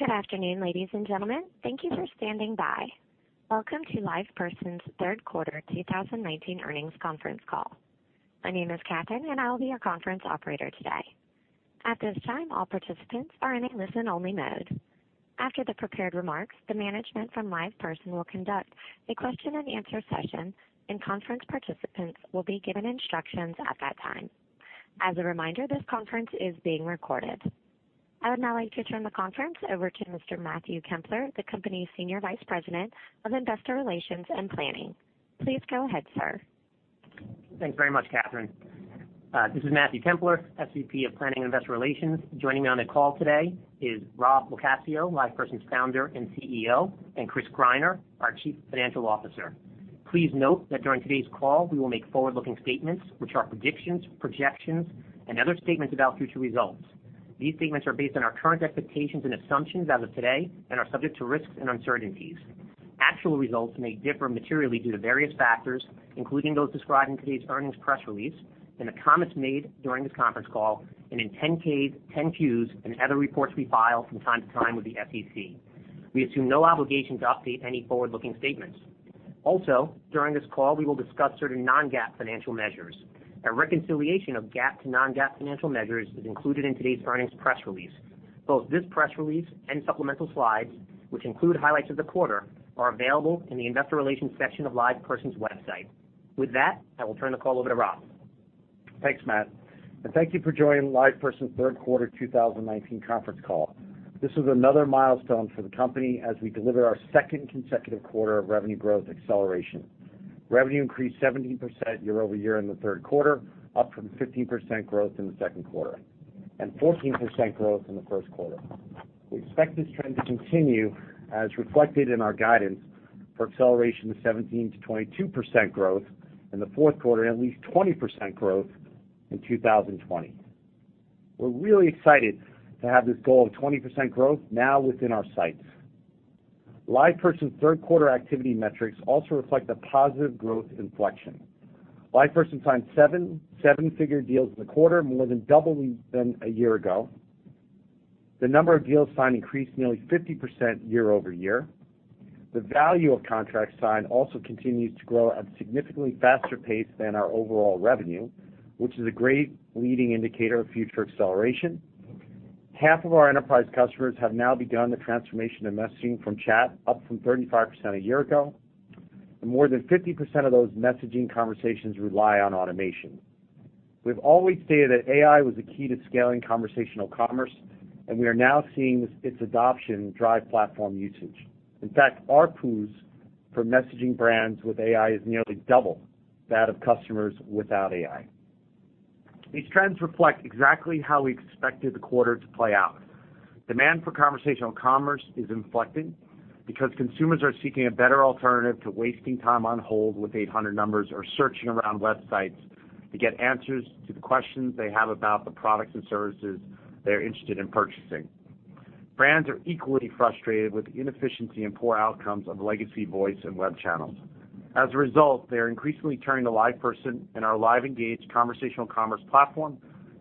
Good afternoon, ladies and gentlemen. Thank you for standing by. Welcome to LivePerson's third quarter 2019 earnings conference call. My name is Catherine, and I will be your conference operator today. At this time, all participants are in a listen-only mode. After the prepared remarks, the management from LivePerson will conduct a question and answer session, and conference participants will be given instructions at that time. As a reminder, this conference is being recorded. I would now like to turn the conference over to Mr. Matthew Kempler, the company's Senior Vice President of Investor Relations and Planning. Please go ahead, sir. Thanks very much, Catherine. This is Matthew Kempler, SVP of Planning and Investor Relations. Joining me on the call today is Rob LoCascio, LivePerson's Founder and CEO, and Chris Greiner, our Chief Financial Officer. Please note that during today's call, we will make forward-looking statements, which are predictions, projections, and other statements about future results. These statements are based on our current expectations and assumptions as of today and are subject to risks and uncertainties. Actual results may differ materially due to various factors, including those described in today's earnings press release, in the comments made during this conference call, and in 10-Ks, 10-Qs, and other reports we file from time to time with the SEC. We assume no obligation to update any forward-looking statements. Also, during this call, we will discuss certain non-GAAP financial measures. A reconciliation of GAAP to non-GAAP financial measures is included in today's earnings press release. Both this press release and supplemental slides, which include highlights of the quarter, are available in the investor relations section of LivePerson's website. With that, I will turn the call over to Rob. Thanks, Matt. Thank you for joining LivePerson's third quarter 2019 conference call. This is another milestone for the company as we deliver our second consecutive quarter of revenue growth acceleration. Revenue increased 17% year-over-year in the third quarter, up from 15% growth in the second quarter, and 14% growth in the first quarter. We expect this trend to continue, as reflected in our guidance for acceleration of 17%-22% growth in the fourth quarter, at least 20% growth in 2020. We're really excited to have this goal of 20% growth now within our sights. LivePerson's third quarter activity metrics also reflect a positive growth inflection. LivePerson signed seven seven-figure deals in the quarter, more than double we've done a year ago. The number of deals signed increased nearly 50% year-over-year. The value of contracts signed also continues to grow at a significantly faster pace than our overall revenue, which is a great leading indicator of future acceleration. Half of our enterprise customers have now begun the transformation to messaging from chat, up from 35% a year ago, and more than 50% of those messaging conversations rely on automation. We've always stated that AI was the key to scaling conversational commerce, and we are now seeing its adoption drive platform usage. In fact, ARPU for messaging brands with AI is nearly double that of customers without AI. These trends reflect exactly how we expected the quarter to play out. Demand for conversational commerce is inflecting because consumers are seeking a better alternative to wasting time on hold with 800 numbers or searching around websites to get answers to the questions they have about the products and services they're interested in purchasing. Brands are equally frustrated with the inefficiency and poor outcomes of legacy voice and web channels. They are increasingly turning to LivePerson and our LiveEngage conversational commerce platform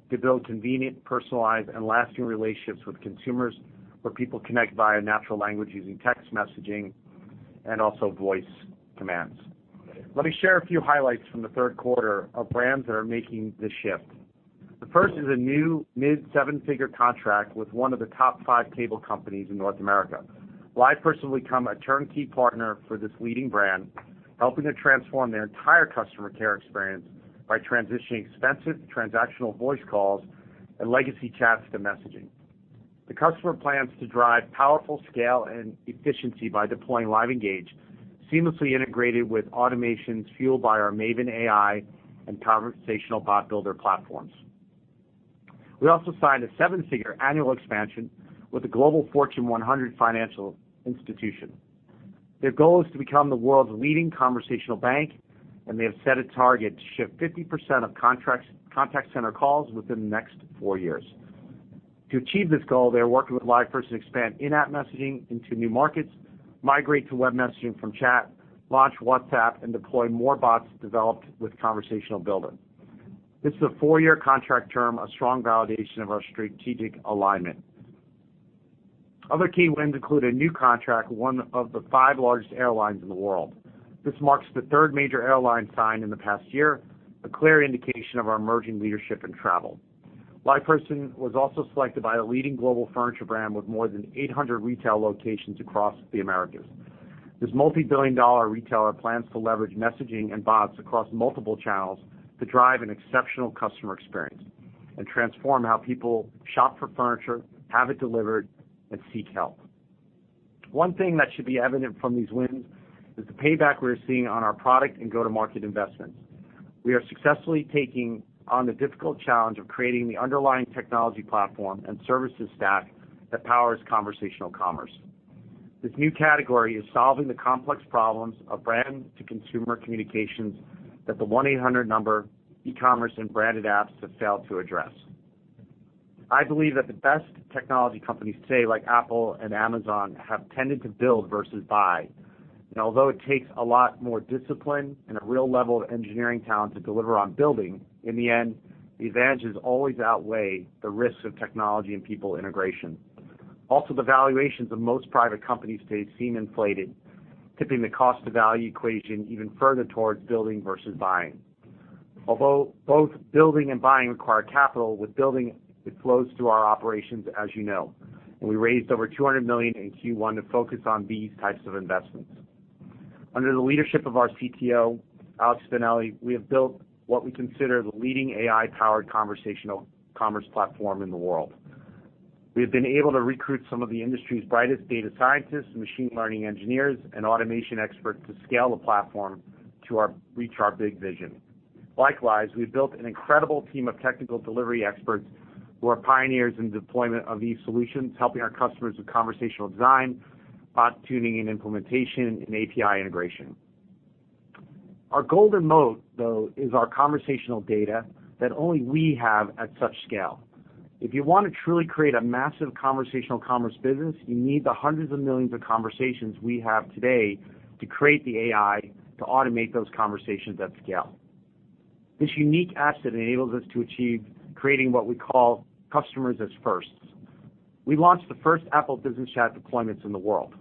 to build convenient, personalized, and lasting relationships with consumers where people connect via natural language using text messaging and also voice commands. Let me share a few highlights from the third quarter of brands that are making the shift. The first is a new mid-seven-figure contract with one of the top five cable companies in North America. LivePerson will become a turnkey partner for this leading brand, helping to transform their entire customer care experience by transitioning expensive transactional voice calls and legacy chats to messaging. The customer plans to drive powerful scale and efficiency by deploying LiveEngage, seamlessly integrated with automations fueled by our Maven AI and Conversation Builder platforms. We also signed a seven-figure annual expansion with a global Fortune 100 financial institution. Their goal is to become the world's leading conversational bank. They have set a target to shift 50% of contact center calls within the next four years. To achieve this goal, they are working with LivePerson to expand in-app messaging into new markets, migrate to web messaging from chat, launch WhatsApp, and deploy more bots developed with Conversation Builder. This is a four-year contract term, a strong validation of our strategic alignment. Other key wins include a new contract with one of the five largest airlines in the world. This marks the third major airline signed in the past year, a clear indication of our emerging leadership in travel. LivePerson was also selected by a leading global furniture brand with more than 800 retail locations across the Americas. This multi-billion-dollar retailer plans to leverage messaging and bots across multiple channels to drive an exceptional customer experience and transform how people shop for furniture, have it delivered, and seek help. One thing that should be evident from these wins is the payback we are seeing on our product and go-to-market investments. We are successfully taking on the difficult challenge of creating the underlying technology platform and services stack that powers conversational commerce. This new category is solving the complex problems of brand-to-consumer communications that the 1-800 number, e-commerce, and branded apps have failed to address. I believe that the best technology companies today, like Apple and Amazon, have tended to build versus buy. Although it takes a lot more discipline and a real level of engineering talent to deliver on building, in the end, the advantages always outweigh the risks of technology and people integration. The valuations of most private companies today seem inflated, tipping the cost-to-value equation even further towards building versus buying. Both building and buying require capital, with building, it flows through our operations, as you know. We raised over $200 million in Q1 to focus on these types of investments. Under the leadership of our CTO, Alex Spinelli, we have built what we consider the leading AI-powered conversational commerce platform in the world. We have been able to recruit some of the industry's brightest data scientists, machine learning engineers, and automation experts to scale the platform to reach our big vision. We've built an incredible team of technical delivery experts who are pioneers in deployment of these solutions, helping our customers with conversational design, bot tuning and implementation, and API integration. Our golden moat, though, is our conversational data that only we have at such scale. If you want to truly create a massive conversational commerce business, you need the hundreds of millions of conversations we have today to create the AI to automate those conversations at scale. This unique asset enables us to achieve creating what we call customers as firsts. We launched the first Apple Business Chat deployments in the world,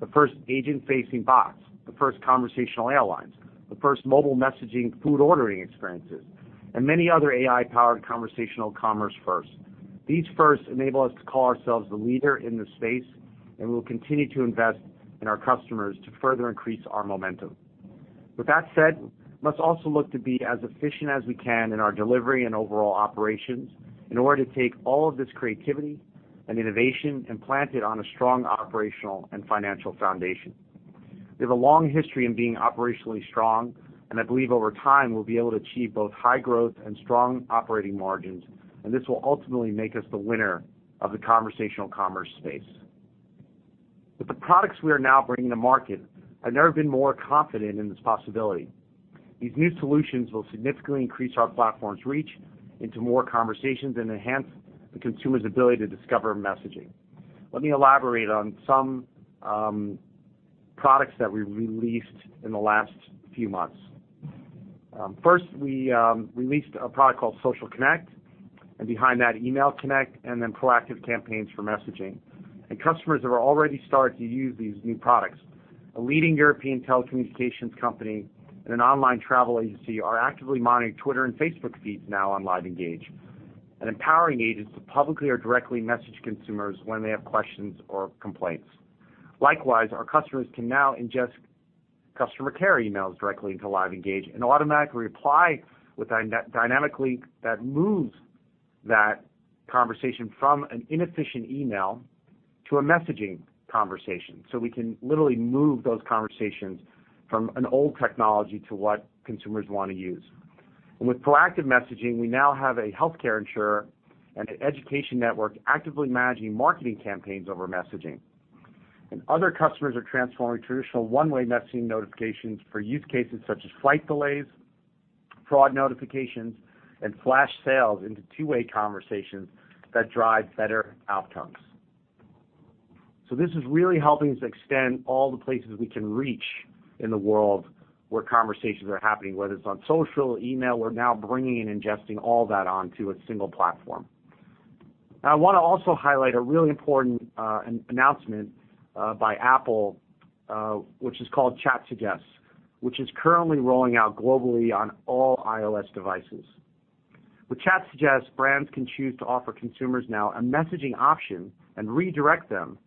the first agent-facing bots, the first conversational airlines, the first mobile messaging food ordering experiences, and many other AI-powered conversational commerce firsts. These firsts enable us to call ourselves the leader in this space, and we'll continue to invest in our customers to further increase our momentum. With that said, we must also look to be as efficient as we can in our delivery and overall operations in order to take all of this creativity and innovation and plant it on a strong operational and financial foundation. We have a long history in being operationally strong. I believe over time, we'll be able to achieve both high growth and strong operating margins. This will ultimately make us the winner of the conversational commerce space. With the products we are now bringing to market, I've never been more confident in this possibility. These new solutions will significantly increase our platform's reach into more conversations and enhance the consumer's ability to discover messaging. Let me elaborate on some products that we've released in the last few months. First, we released a product called Social Connect. Behind that, Email Connect. Then proactive campaigns for messaging. Customers have already started to use these new products. A leading European telecommunications company and an online travel agency are actively monitoring Twitter and Facebook feeds now on LiveEngage and empowering agents to publicly or directly message consumers when they have questions or complaints. Likewise, our customers can now ingest customer care emails directly into LiveEngage and automatically reply dynamically that moves that conversation from an inefficient email to a messaging conversation. We can literally move those conversations from an old technology to what consumers want to use. With proactive messaging, we now have a healthcare insurer and an education network actively managing marketing campaigns over messaging. Other customers are transforming traditional one-way messaging notifications for use cases such as flight delays, fraud notifications, and flash sales into two-way conversations that drive better outcomes. This is really helping us extend all the places we can reach in the world where conversations are happening, whether it's on social or email. We're now bringing and ingesting all that onto a single platform. I want to also highlight a really important announcement by Apple, which is called Chat Suggest, which is currently rolling out globally on all iOS devices. With Chat Suggest, brands can choose to offer consumers now a messaging option and redirect them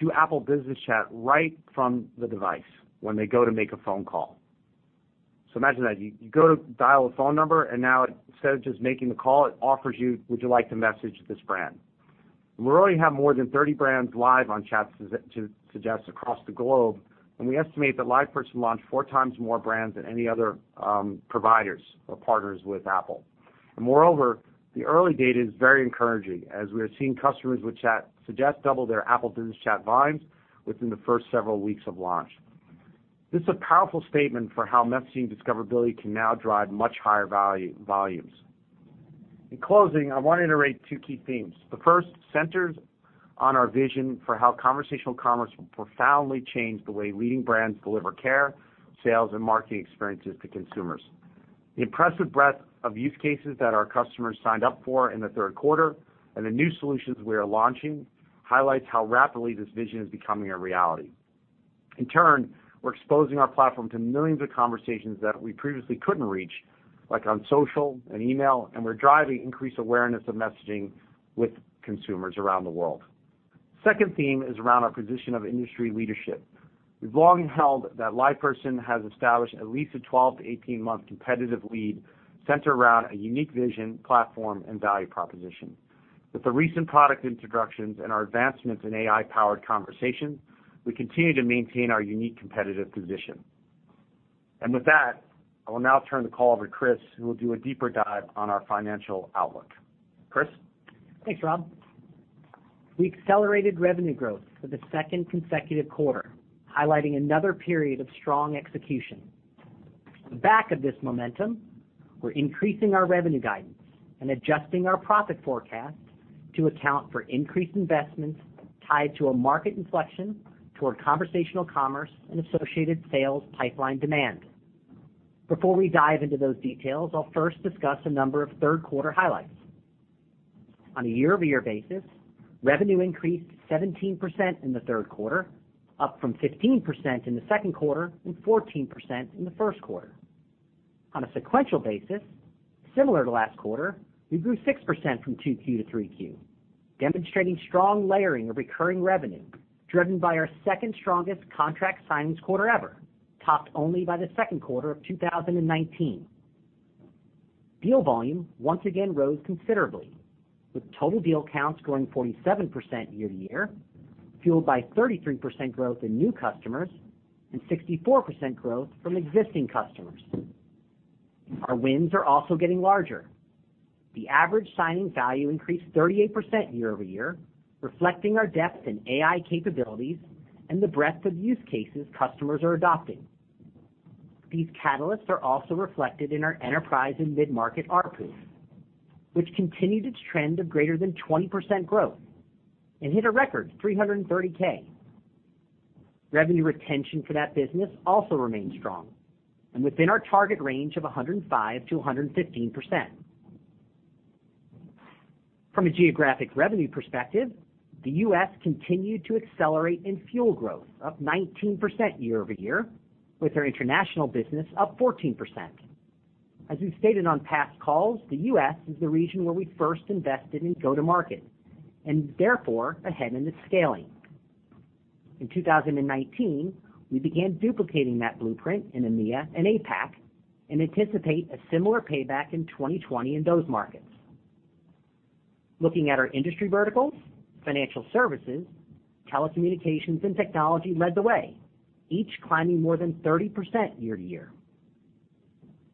to Apple Business Chat right from the device when they go to make a phone call. Imagine that. You go to dial a phone number. Now instead of just making the call, it offers you, "Would you like to message this brand?" We already have more than 30 brands live on Chat Suggest across the globe, and we estimate that LivePerson launched four times more brands than any other providers or partners with Apple. Moreover, the early data is very encouraging, as we are seeing customers with Chat Suggest double their Apple Business Chat volumes within the first several weeks of launch. This is a powerful statement for how messaging discoverability can now drive much higher volumes. In closing, I want to iterate two key themes. The first centers on our vision for how conversational commerce will profoundly change the way leading brands deliver care, sales, and marketing experiences to consumers. The impressive breadth of use cases that our customers signed up for in the third quarter and the new solutions we are launching highlights how rapidly this vision is becoming a reality. We're exposing our platform to millions of conversations that we previously couldn't reach, like on social and email, and we're driving increased awareness of messaging with consumers around the world. Second theme is around our position of industry leadership. We've long held that LivePerson has established at least a 12-18-month competitive lead centered around a unique vision, platform, and value proposition. With the recent product introductions and our advancements in AI-powered conversation, we continue to maintain our unique competitive position. I will now turn the call over to Chris, who will do a deeper dive on our financial outlook. Chris? Thanks, Rob. We accelerated revenue growth for the second consecutive quarter, highlighting another period of strong execution. The back of this momentum, we're increasing our revenue guidance and adjusting our profit forecast to account for increased investments tied to a market inflection toward conversational commerce and associated sales pipeline demand. Before we dive into those details, I'll first discuss a number of third-quarter highlights. On a year-over-year basis, revenue increased 17% in the third quarter, up from 15% in the second quarter and 14% in the first quarter. On a sequential basis, similar to last quarter, we grew 6% from 2Q to 3Q, demonstrating strong layering of recurring revenue driven by our second strongest contract signings quarter ever, topped only by the second quarter of 2019. Deal volume once again rose considerably, with total deal counts growing 47% year-over-year, fueled by 33% growth in new customers and 64% growth from existing customers. Our wins are also getting larger. The average signing value increased 38% year-over-year, reflecting our depth in AI capabilities and the breadth of use cases customers are adopting. These catalysts are also reflected in our enterprise and mid-market ARPU, which continued its trend of greater than 20% growth and hit a record $330K. Revenue retention for that business also remains strong and within our target range of 105%-115%. From a geographic revenue perspective, the U.S. continued to accelerate and fuel growth up 19% year-over-year, with our international business up 14%. As we've stated on past calls, the U.S. is the region where we first invested in go-to-market and therefore ahead in the scaling. In 2019, we began duplicating that blueprint in EMEA and APAC and anticipate a similar payback in 2020 in those markets. Looking at our industry verticals, financial services, telecommunications, and technology led the way, each climbing more than 30% year-to-year.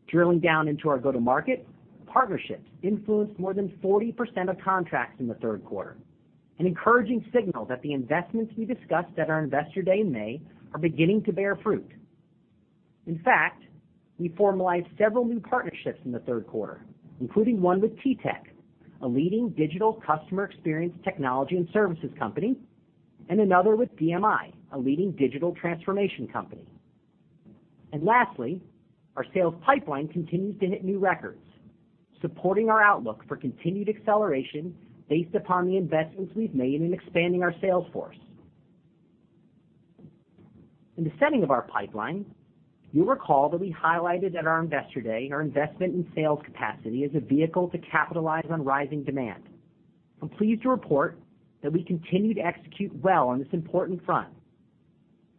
Drilling down into our go-to-market, partnerships influenced more than 40% of contracts in the third quarter, an encouraging signal that the investments we discussed at our Investor Day in May are beginning to bear fruit. In fact, we formalized several new partnerships in the third quarter, including one with TTEC, a leading digital customer experience technology and services company, and another with DMI, a leading digital transformation company. Lastly, our sales pipeline continues to hit new records, supporting our outlook for continued acceleration based upon the investments we've made in expanding our sales force. In the setting of our pipeline, you'll recall that we highlighted at our Investor Day our investment in sales capacity as a vehicle to capitalize on rising demand. I'm pleased to report that we continue to execute well on this important front.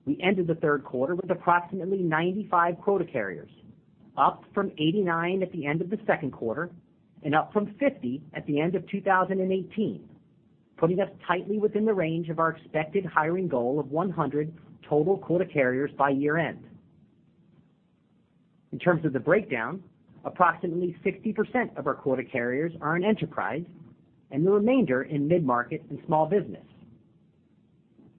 We ended the third quarter with approximately 95 quota carriers, up from 89 at the end of the second quarter and up from 50 at the end of 2018, putting us tightly within the range of our expected hiring goal of 100 total quota carriers by year-end. In terms of the breakdown, approximately 60% of our quota carriers are in enterprise and the remainder in mid-market and small business.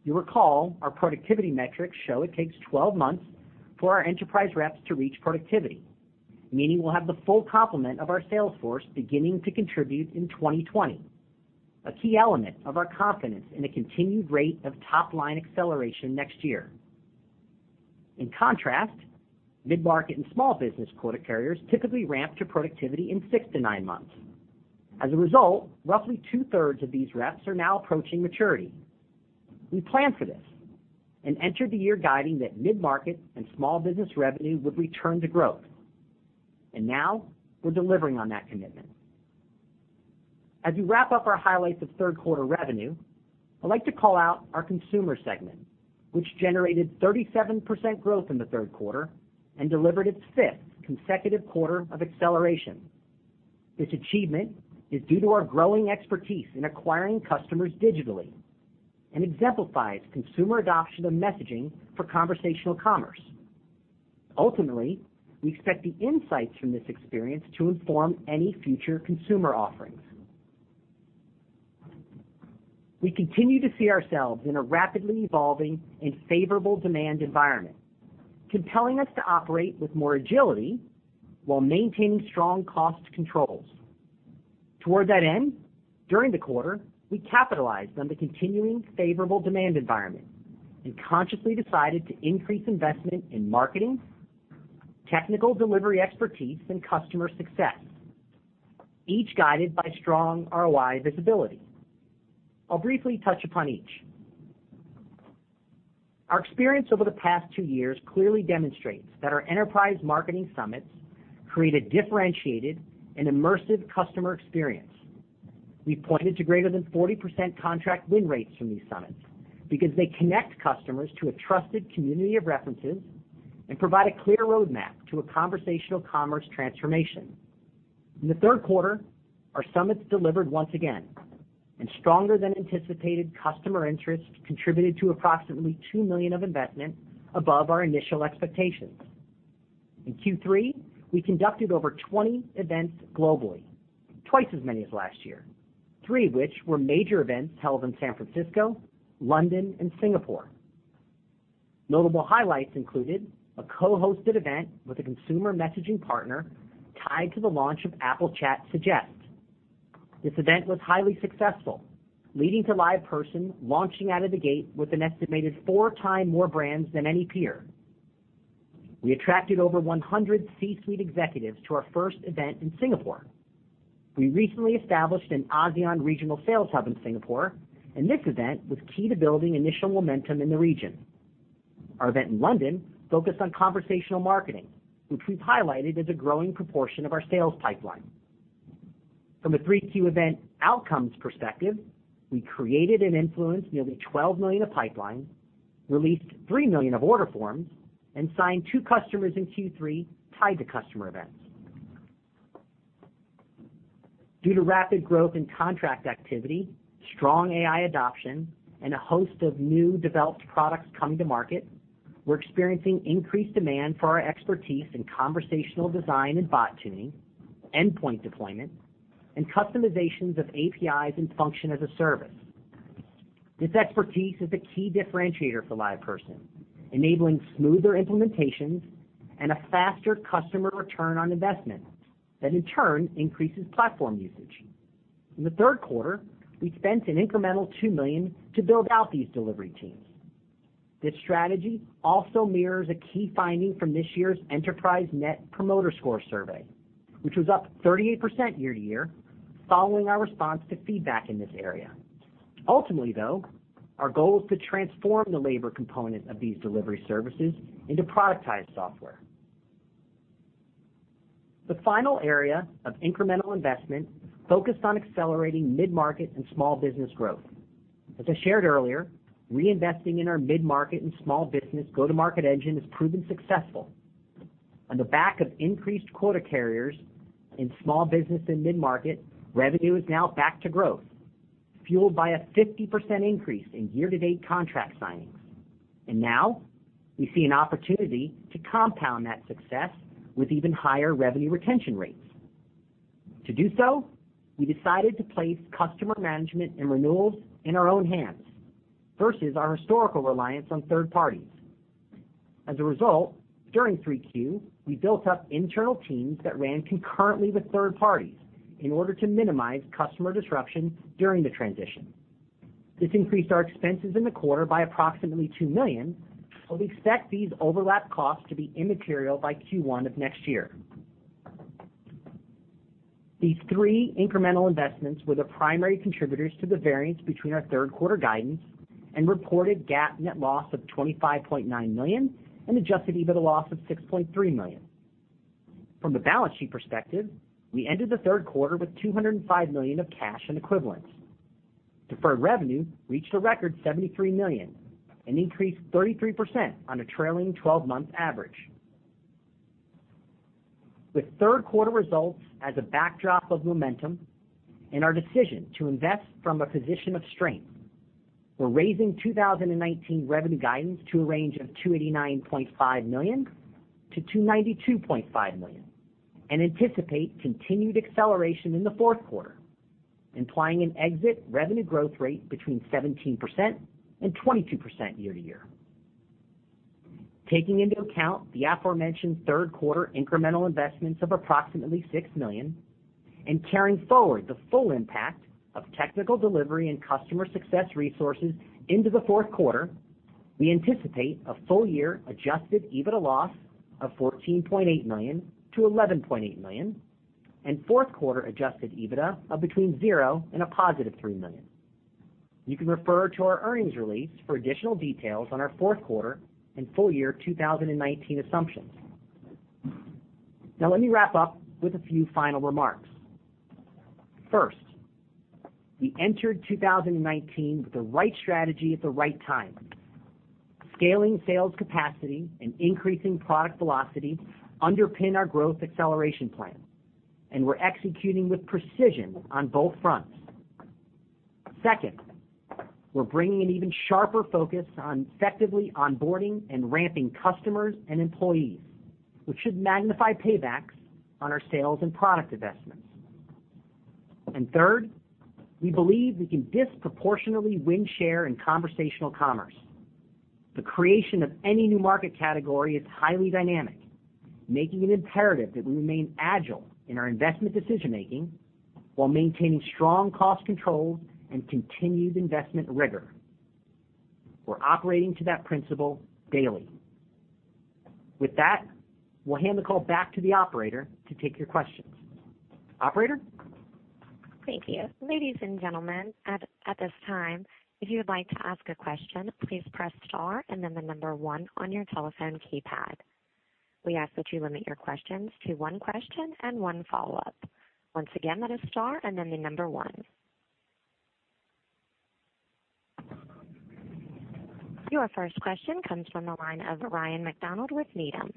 You'll recall our productivity metrics show it takes 12 months for our enterprise reps to reach productivity, meaning we'll have the full complement of our sales force beginning to contribute in 2020, a key element of our confidence in a continued rate of top-line acceleration next year. In contrast, mid-market and small business quota carriers typically ramp to productivity in 6-9 months. As a result, roughly two-thirds of these reps are now approaching maturity. We planned for this and entered the year guiding that mid-market and small business revenue would return to growth. Now we're delivering on that commitment. As we wrap up our highlights of third-quarter revenue, I'd like to call out our consumer segment, which generated 37% growth in the third quarter and delivered its fifth consecutive quarter of acceleration. This achievement is due to our growing expertise in acquiring customers digitally and exemplifies consumer adoption of messaging for conversational commerce. Ultimately, we expect the insights from this experience to inform any future consumer offerings. We continue to see ourselves in a rapidly evolving and favorable demand environment, compelling us to operate with more agility while maintaining strong cost controls. Toward that end, during the quarter, we capitalized on the continuing favorable demand environment and consciously decided to increase investment in marketing, technical delivery expertise, and customer success, each guided by strong ROI visibility. I'll briefly touch upon each. Our experience over the past two years clearly demonstrates that our enterprise marketing summits create a differentiated and immersive customer experience. We pointed to greater than 40% contract win rates from these summits because they connect customers to a trusted community of references and provide a clear roadmap to a conversational commerce transformation. In the third quarter, our summits delivered once again, and stronger-than-anticipated customer interest contributed to approximately $2 million of investment above our initial expectations. In Q3, we conducted over 20 events globally. Twice as many as last year, three of which were major events held in San Francisco, London, and Singapore. Notable highlights included a co-hosted event with a consumer messaging partner tied to the launch of Apple Chat Suggest. This event was highly successful, leading to LivePerson launching out of the gate with an estimated four times more brands than any peer. We attracted over 100 C-suite executives to our first event in Singapore. We recently established an ASEAN regional sales hub in Singapore. This event was key to building initial momentum in the region. Our event in London focused on conversational marketing, which we've highlighted as a growing proportion of our sales pipeline. From a 3Q event outcomes perspective, we created and influenced nearly $12 million of pipeline, released $3 million of order forms, and signed two customers in Q3 tied to customer events. Due to rapid growth in contract activity, strong AI adoption, and a host of new developed products coming to market, we're experiencing increased demand for our expertise in conversational design and bot tuning, endpoint deployment, and customizations of APIs and function as a service. This expertise is a key differentiator for LivePerson, enabling smoother implementations and a faster customer return on investment that in turn increases platform usage. In the third quarter, we spent an incremental $2 million to build out these delivery teams. This strategy also mirrors a key finding from this year's Enterprise Net Promoter Score survey, which was up 38% year-to-year following our response to feedback in this area. Ultimately, though, our goal is to transform the labor component of these delivery services into productized software. The final area of incremental investment focused on accelerating mid-market and small business growth. As I shared earlier, reinvesting in our mid-market and small business go-to-market engine has proven successful. On the back of increased quota carriers in small business and mid-market, revenue is now back to growth, fueled by a 50% increase in year-to-date contract signings. Now we see an opportunity to compound that success with even higher revenue retention rates. To do so, we decided to place customer management and renewals in our own hands versus our historical reliance on third parties. As a result, during 3Q, we built up internal teams that ran concurrently with third parties in order to minimize customer disruption during the transition. This increased our expenses in the quarter by approximately $2 million, but we expect these overlap costs to be immaterial by Q1 of next year. These three incremental investments were the primary contributors to the variance between our third quarter guidance and reported GAAP net loss of $25.9 million and adjusted EBITDA loss of $6.3 million. From the balance sheet perspective, we ended the third quarter with $205 million of cash and equivalents. Deferred revenue reached a record $73 million, an increase 33% on a trailing 12-month average. With third quarter results as a backdrop of momentum and our decision to invest from a position of strength, we're raising 2019 revenue guidance to a range of $289.5 million-$292.5 million and anticipate continued acceleration in the fourth quarter, implying an exit revenue growth rate between 17%-22% year-to-year. Taking into account the aforementioned third quarter incremental investments of approximately $6 million and carrying forward the full impact of technical delivery and customer success resources into the fourth quarter, we anticipate a full-year adjusted EBITDA loss of $14.8 million-$11.8 million and fourth quarter adjusted EBITDA of between $0 and a positive $3 million. You can refer to our earnings release for additional details on our fourth quarter and full year 2019 assumptions. Now let me wrap up with a few final remarks. First, we entered 2019 with the right strategy at the right time. Scaling sales capacity and increasing product velocity underpin our growth acceleration plan, and we're executing with precision on both fronts. Second, we're bringing an even sharper focus on effectively onboarding and ramping customers and employees, which should magnify paybacks on our sales and product investments. Third, we believe we can disproportionately win share in conversational commerce. The creation of any new market category is highly dynamic, making it imperative that we remain agile in our investment decision-making while maintaining strong cost control and continued investment rigor. We're operating to that principle daily. With that, we'll hand the call back to the operator to take your questions. Operator? Thank you. Ladies and gentlemen, at this time, if you would like to ask a question, please press star and then the number 1 on your telephone keypad. We ask that you limit your questions to one question and one follow-up. Once again, that is star and then the number 1. Your first question comes from the line of Ryan MacDonald with Needham.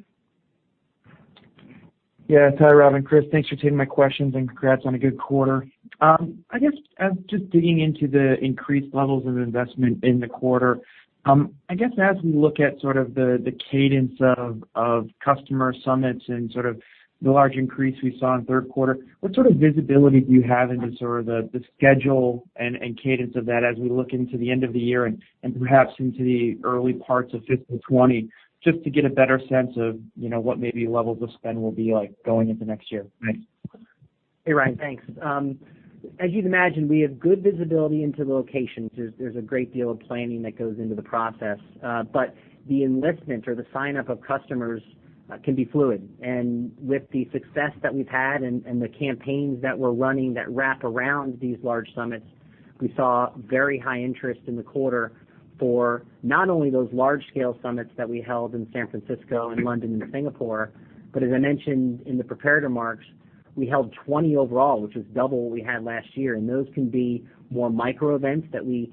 Yeah. Hi, Rob and Chris, thanks for taking my questions and congrats on a good quarter. I guess as just digging into the increased levels of investment in the quarter, I guess as we look at sort of the cadence of customer summits and sort of the large increase we saw in third quarter, what sort of visibility do you have into sort of the schedule and cadence of that as we look into the end of the year and perhaps into the early parts of fiscal 2020, just to get a better sense of what maybe levels of spend will be like going into next year? Thanks. Hey, Ryan. Thanks. As you'd imagine, we have good visibility into the locations. There's a great deal of planning that goes into the process. The enlistment or the sign-up of customers can be fluid. With the success that we've had and the campaigns that we're running that wrap around these large summits, we saw very high interest in the quarter for not only those large-scale summits that we held in San Francisco and London and Singapore, but as I mentioned in the prepared remarks, we held 20 overall, which was double what we had last year. Those can be more micro events that we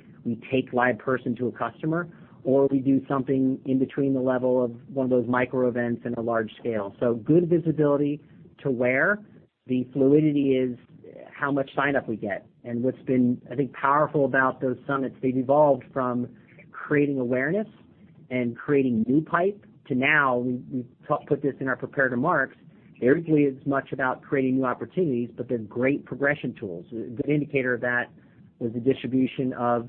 take LivePerson to a customer, or we do something in between the level of one of those micro events and a large scale. Good visibility to where. The fluidity is how much sign-up we get. What's been, I think, powerful about those summits, they've evolved from creating awareness and creating new pipe to now, we put this in our prepared remarks, they're usually as much about creating new opportunities, but they're great progression tools. A good indicator of that was the distribution of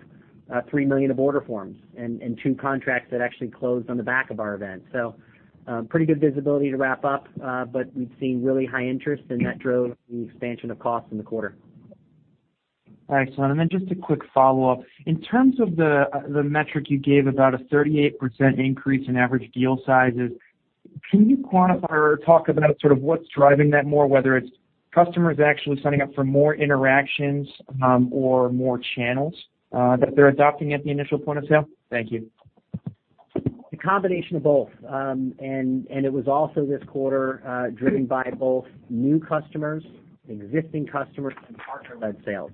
3 million of order forms and two contracts that actually closed on the back of our event. Pretty good visibility to wrap up, but we've seen really high interest, and that drove the expansion of costs in the quarter. Excellent. Just a quick follow-up. In terms of the metric you gave about a 38% increase in average deal sizes, can you quantify or talk about sort of what's driving that more, whether it's customers actually signing up for more interactions, or more channels, that they're adopting at the initial point of sale? Thank you. A combination of both. It was also this quarter, driven by both new customers, existing customers, and partner-led sales.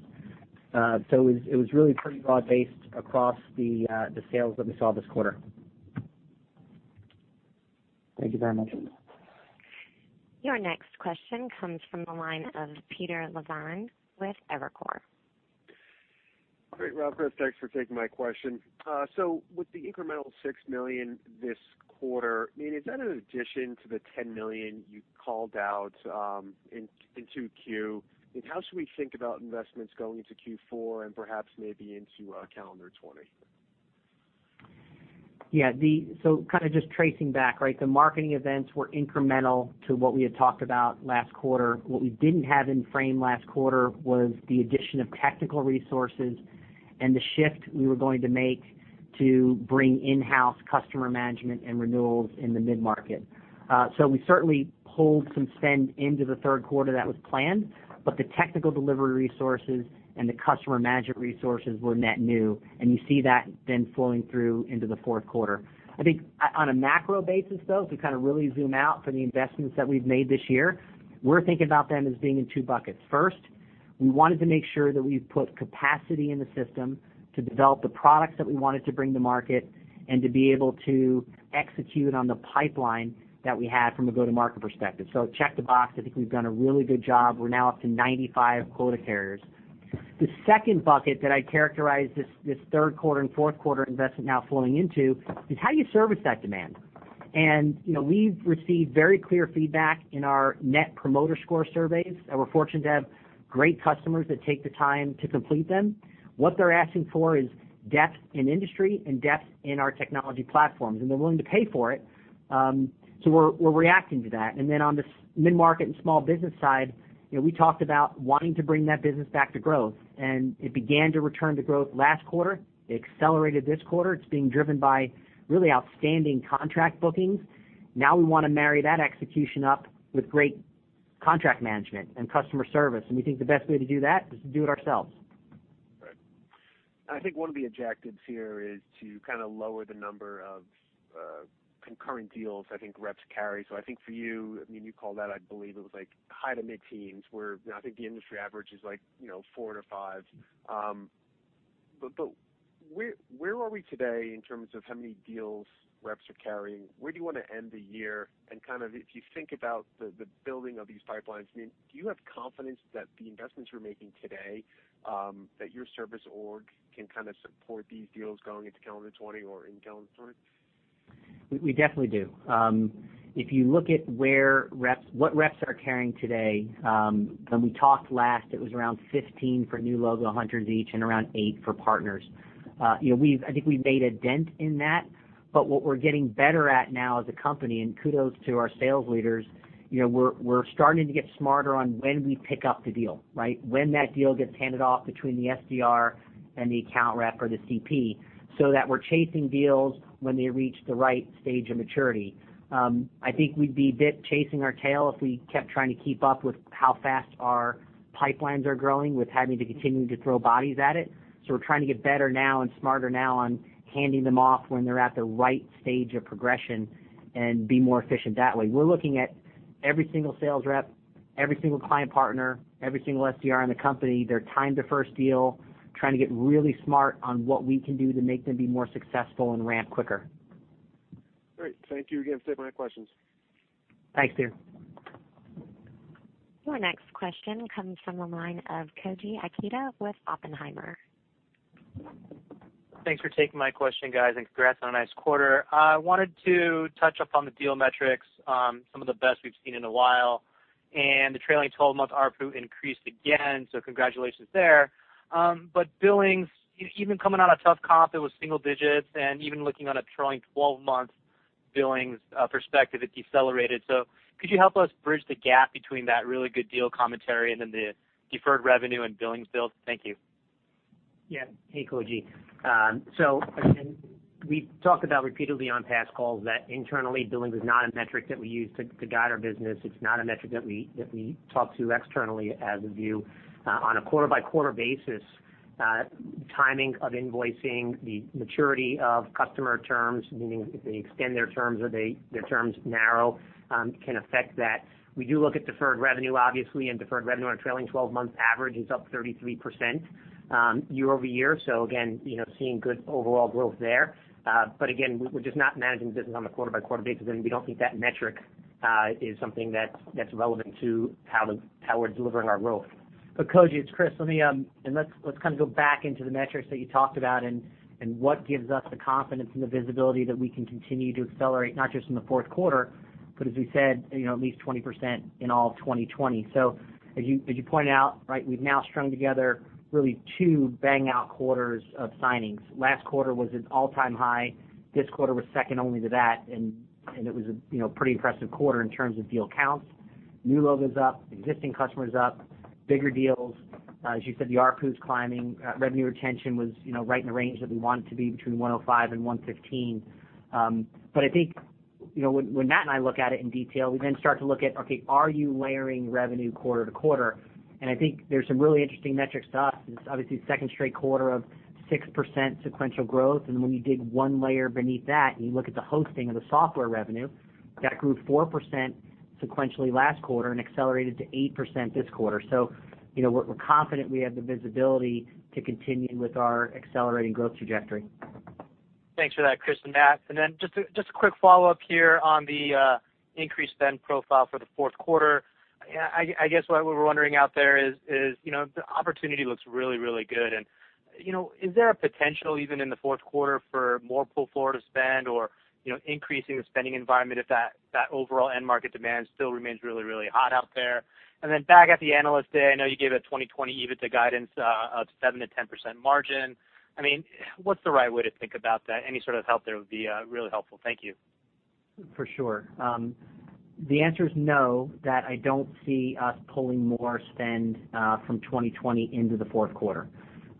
It was really pretty broad-based across the sales that we saw this quarter. Thank you very much. Your next question comes from the line of Peter Levine with Evercore. Great, Rob, Chris, thanks for taking my question. With the incremental $6 million this quarter, I mean, is that an addition to the $10 million you called out in 2Q? How should we think about investments going into Q4 and perhaps maybe into calendar 2020? Yeah. Kind of just tracing back, right? The marketing events were incremental to what we had talked about last quarter. What we didn't have in frame last quarter was the addition of technical resources and the shift we were going to make to bring in-house customer management and renewals in the mid-market. We certainly pulled some spend into the third quarter that was planned, but the technical delivery resources and the customer management resources were net new, and you see that then flowing through into the fourth quarter. I think on a macro basis, though, to kind of really zoom out for the investments that we've made this year, we're thinking about them as being in 2 buckets. First, we wanted to make sure that we put capacity in the system to develop the products that we wanted to bring to market and to be able to execute on the pipeline that we had from a go-to-market perspective. Check the box. I think we've done a really good job. We're now up to 95 quota carriers. The second bucket that I characterize this third quarter and fourth quarter investment now flowing into is how you service that demand. We've received very clear feedback in our Net Promoter Score surveys, and we're fortunate to have great customers that take the time to complete them. What they're asking for is depth in industry and depth in our technology platforms, and they're willing to pay for it, so we're reacting to that. On the mid-market and small business side, we talked about wanting to bring that business back to growth, and it began to return to growth last quarter. It accelerated this quarter. It is being driven by really outstanding contract bookings. We want to marry that execution up with great contract management and customer service, and we think the best way to do that is to do it ourselves. Right. I think one of the objectives here is to kind of lower the number of concurrent deals I think reps carry. I think for you, I mean, you called out, I believe it was like high to mid-teens, where I think the industry average is like four to five. Where are we today in terms of how many deals reps are carrying? Where do you want to end the year? Kind of if you think about the building of these pipelines, I mean, do you have confidence that the investments you're making today, that your service org can kind of support these deals going into calendar 2020 or in calendar 2020? We definitely do. If you look at what reps are carrying today, when we talked last, it was around 15 for new logo hunters each and around eight for partners. I think we've made a dent in that, but what we're getting better at now as a company, and kudos to our sales leaders, we're starting to get smarter on when we pick up the deal, right? When that deal gets handed off between the SDR and the account rep or the CP, so that we're chasing deals when they reach the right stage of maturity. I think we'd be a bit chasing our tail if we kept trying to keep up with how fast our pipelines are growing with having to continue to throw bodies at it. We're trying to get better now and smarter now on handing them off when they're at the right stage of progression and be more efficient that way. We're looking at every single sales rep Every single client partner, every single SDR in the company, their time to first deal, trying to get really smart on what we can do to make them be more successful and ramp quicker. Great. Thank you again. Save my questions. Thanks, Peter. Your next question comes from the line of Koji Ikeda with Oppenheimer. Thanks for taking my question, guys. Congrats on a nice quarter. I wanted to touch up on the deal metrics, some of the best we've seen in a while, and the trailing 12-month ARPU increased again, so congratulations there. Billings, even coming out of tough comp, it was single digits, and even looking on a trailing 12-month billings perspective, it decelerated. Could you help us bridge the gap between that really good deal commentary and then the deferred revenue and billings build? Thank you. Hey, Koji. Again, we've talked about repeatedly on past calls that internally, billings is not a metric that we use to guide our business. It's not a metric that we talk to externally as a view. On a quarter-by-quarter basis, timing of invoicing, the maturity of customer terms, meaning if they extend their terms or their terms narrow, can affect that. We do look at deferred revenue, obviously, deferred revenue on a trailing 12-month average is up 33% year-over-year. Again, seeing good overall growth there. Again, we're just not managing the business on a quarter-by-quarter basis, and we don't think that metric is something that's relevant to how we're delivering our growth. Koji, it's Chris. Let's go back into the metrics that you talked about and what gives us the confidence and the visibility that we can continue to accelerate, not just in the fourth quarter, but as we said, at least 20% in all of 2020. As you pointed out, we've now strung together really two bang-out quarters of signings. Last quarter was its all-time high. This quarter was second only to that, and it was a pretty impressive quarter in terms of deal counts. New logos up, existing customers up, bigger deals. As you said, the ARPU's climbing. Revenue retention was right in the range that we want it to be, between 105 and 115. I think, when Matt and I look at it in detail, we then start to look at, okay, are you layering revenue quarter to quarter? I think there's some really interesting metrics to us. This is obviously the second straight quarter of 6% sequential growth, when you dig one layer beneath that and you look at the hosting of the software revenue, that grew 4% sequentially last quarter and accelerated to 8% this quarter. We're confident we have the visibility to continue with our accelerating growth trajectory. Thanks for that, Chris and Matt. Then just a quick follow-up here on the increased spend profile for the fourth quarter. I guess what we were wondering out there is, the opportunity looks really, really good. Is there a potential even in the fourth quarter for more pull-forward of spend or increasing the spending environment if that overall end market demand still remains really, really hot out there? Then back at the Analyst Day, I know you gave a 2020 EBITDA guidance of 7%-10% margin. What's the right way to think about that? Any sort of help there would be really helpful. Thank you. For sure. The answer is no, that I don't see us pulling more spend from 2020 into the fourth quarter.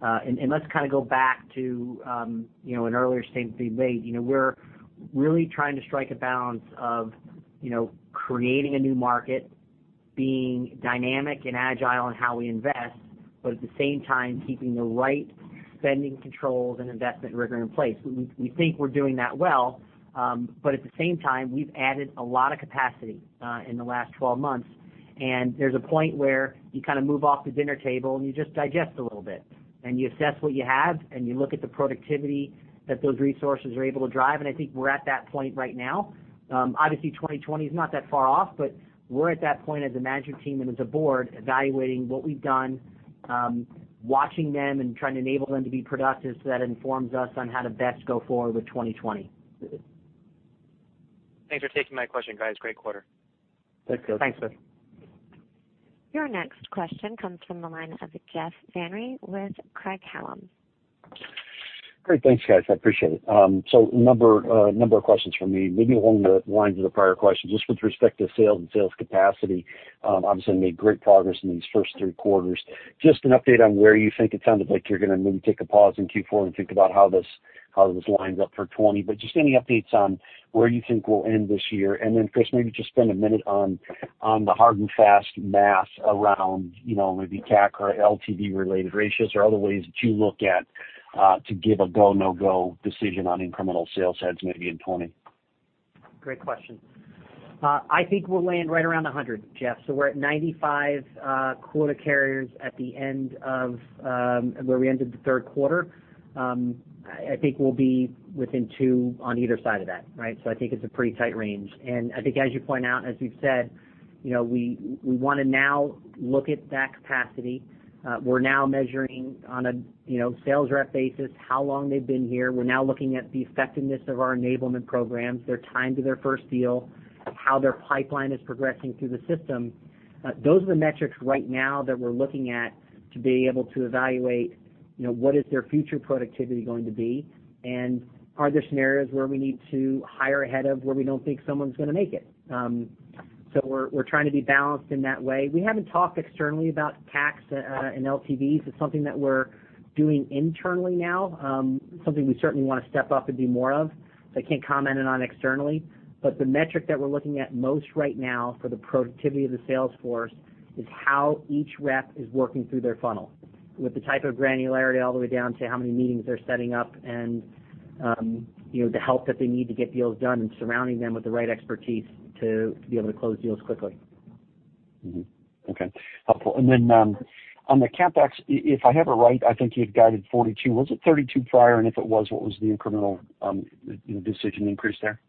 Let's go back to an earlier statement being made. We're really trying to strike a balance of creating a new market, being dynamic and agile in how we invest, but at the same time, keeping the right spending controls and investment rigor in place. We think we're doing that well, but at the same time, we've added a lot of capacity in the last 12 months, and there's a point where you move off the dinner table and you just digest a little bit, and you assess what you have, and you look at the productivity that those resources are able to drive, and I think we're at that point right now. Obviously, 2020 is not that far off. We're at that point as a management team and as a board evaluating what we've done, watching them and trying to enable them to be productive so that informs us on how to best go forward with 2020. Thanks for taking my question, guys. Great quarter. Thanks, Koji. Thanks. Your next question comes from the line of Jeff Van Rhee with Craig-Hallum. Great. Thanks, guys. I appreciate it. A number of questions from me. Maybe along the lines of the prior question, just with respect to sales and sales capacity, obviously made great progress in these first three quarters. Just an update on where it sounded like you're going to maybe take a pause in Q4 and think about how this lines up for 2020. Just any updates on where you think we'll end this year? Chris, maybe just spend a minute on the hard and fast math around maybe CAC or LTV-related ratios or other ways that you look at to give a go, no-go decision on incremental sales heads maybe in 2020. Great question. I think we'll land right around 100, Jeff. We're at 95 quota carriers where we ended the third quarter. I think we'll be within two on either side of that. I think as you point out, as we've said, we want to now look at that capacity. We're now measuring on a sales rep basis how long they've been here. We're now looking at the effectiveness of our enablement programs, their time to their first deal, how their pipeline is progressing through the system. Those are the metrics right now that we're looking at to be able to evaluate what is their future productivity going to be, and are there scenarios where we need to hire ahead of where we don't think someone's going to make it? We're trying to be balanced in that way. We haven't talked externally about CACs and LTVs. It's something that we're doing internally now, something we certainly want to step up and do more of. I can't comment it on externally. The metric that we're looking at most right now for the productivity of the sales force is how each rep is working through their funnel. With the type of granularity all the way down to how many meetings they're setting up and the help that they need to get deals done and surrounding them with the right expertise to be able to close deals quickly. Mm-hmm. Okay. Helpful. Then on the CapEx, if I have it right, I think you had guided $42. Was it $32 prior? If it was, what was the incremental decision increase there?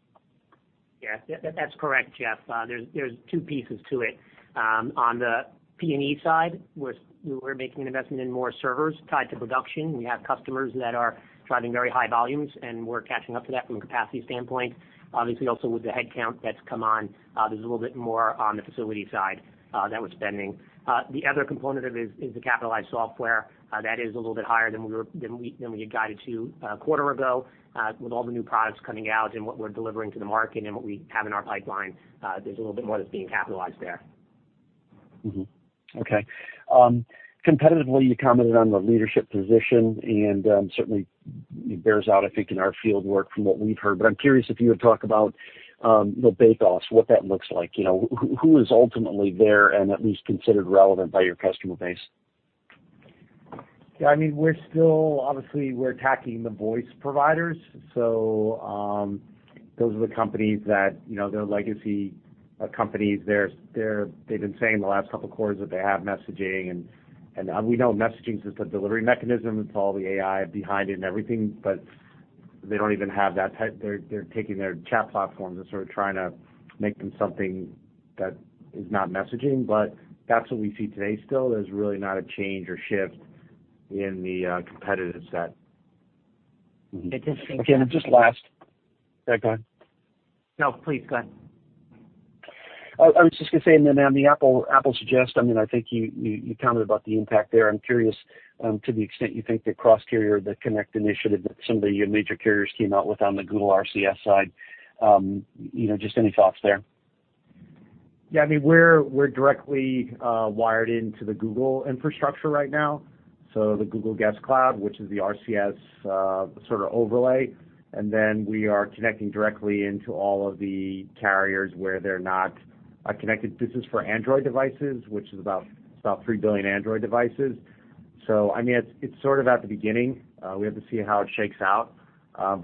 Yeah. That's correct, Jeff. There's two pieces to it. On the PP&E side, we're making an investment in more servers tied to production. We have customers that are driving very high volumes, and we're catching up to that from a capacity standpoint. Obviously, also with the headcount that's come on, there's a little bit more on the facility side that we're spending. The other component of it is the capitalized software. That is a little bit higher than we had guided to a quarter ago. With all the new products coming out and what we're delivering to the market and what we have in our pipeline, there's a little bit more that's being capitalized there. Okay. Competitively, you commented on the leadership position, and certainly it bears out, I think, in our field work from what we've heard. I'm curious if you would talk about the bake-offs, what that looks like. Who is ultimately there and at least considered relevant by your customer base? Yeah. Obviously, we're attacking the voice providers. Those are the companies that, they're legacy companies. They've been saying the last couple of quarters that they have messaging, and we know messaging is just a delivery mechanism with all the AI behind it and everything, but they don't even have that type. They're taking their chat platforms and sort of trying to make them something that is not messaging, but that's what we see today still. There's really not a change or shift in the competitive set. I just think- Okay. Go ahead. No, please go ahead. I was just going to say on the Chat Suggest, I think you commented about the impact there. I am curious to the extent you think the Cross-Carrier, the connect initiative that some of the major carriers came out with on the Google RCS side. Just any thoughts there? Yeah. We're directly wired into the Google infrastructure right now, so the Google Jibe Cloud, which is the RCS sort of overlay. We are connecting directly into all of the carriers where they're not connected. This is for Android devices, which is about 3 billion Android devices. It's sort of at the beginning. We have to see how it shakes out.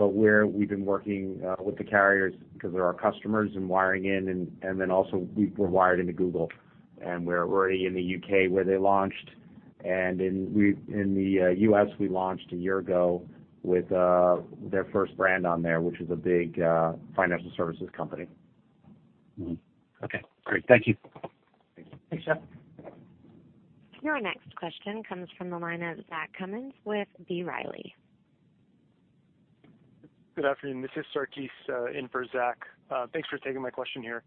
We've been working with the carriers because they're our customers and wiring in, and then also we're wired into Google, and we're already in the U.K. where they launched. In the U.S., we launched a year ago with their first brand on there, which is a big financial services company. Mm-hmm. Okay, great. Thank you. Thank you. Thanks, Jeff. Your next question comes from the line of Zach Cummins with B. Riley. Good afternoon. This is Sarkis in for Zach. Thanks for taking my question here.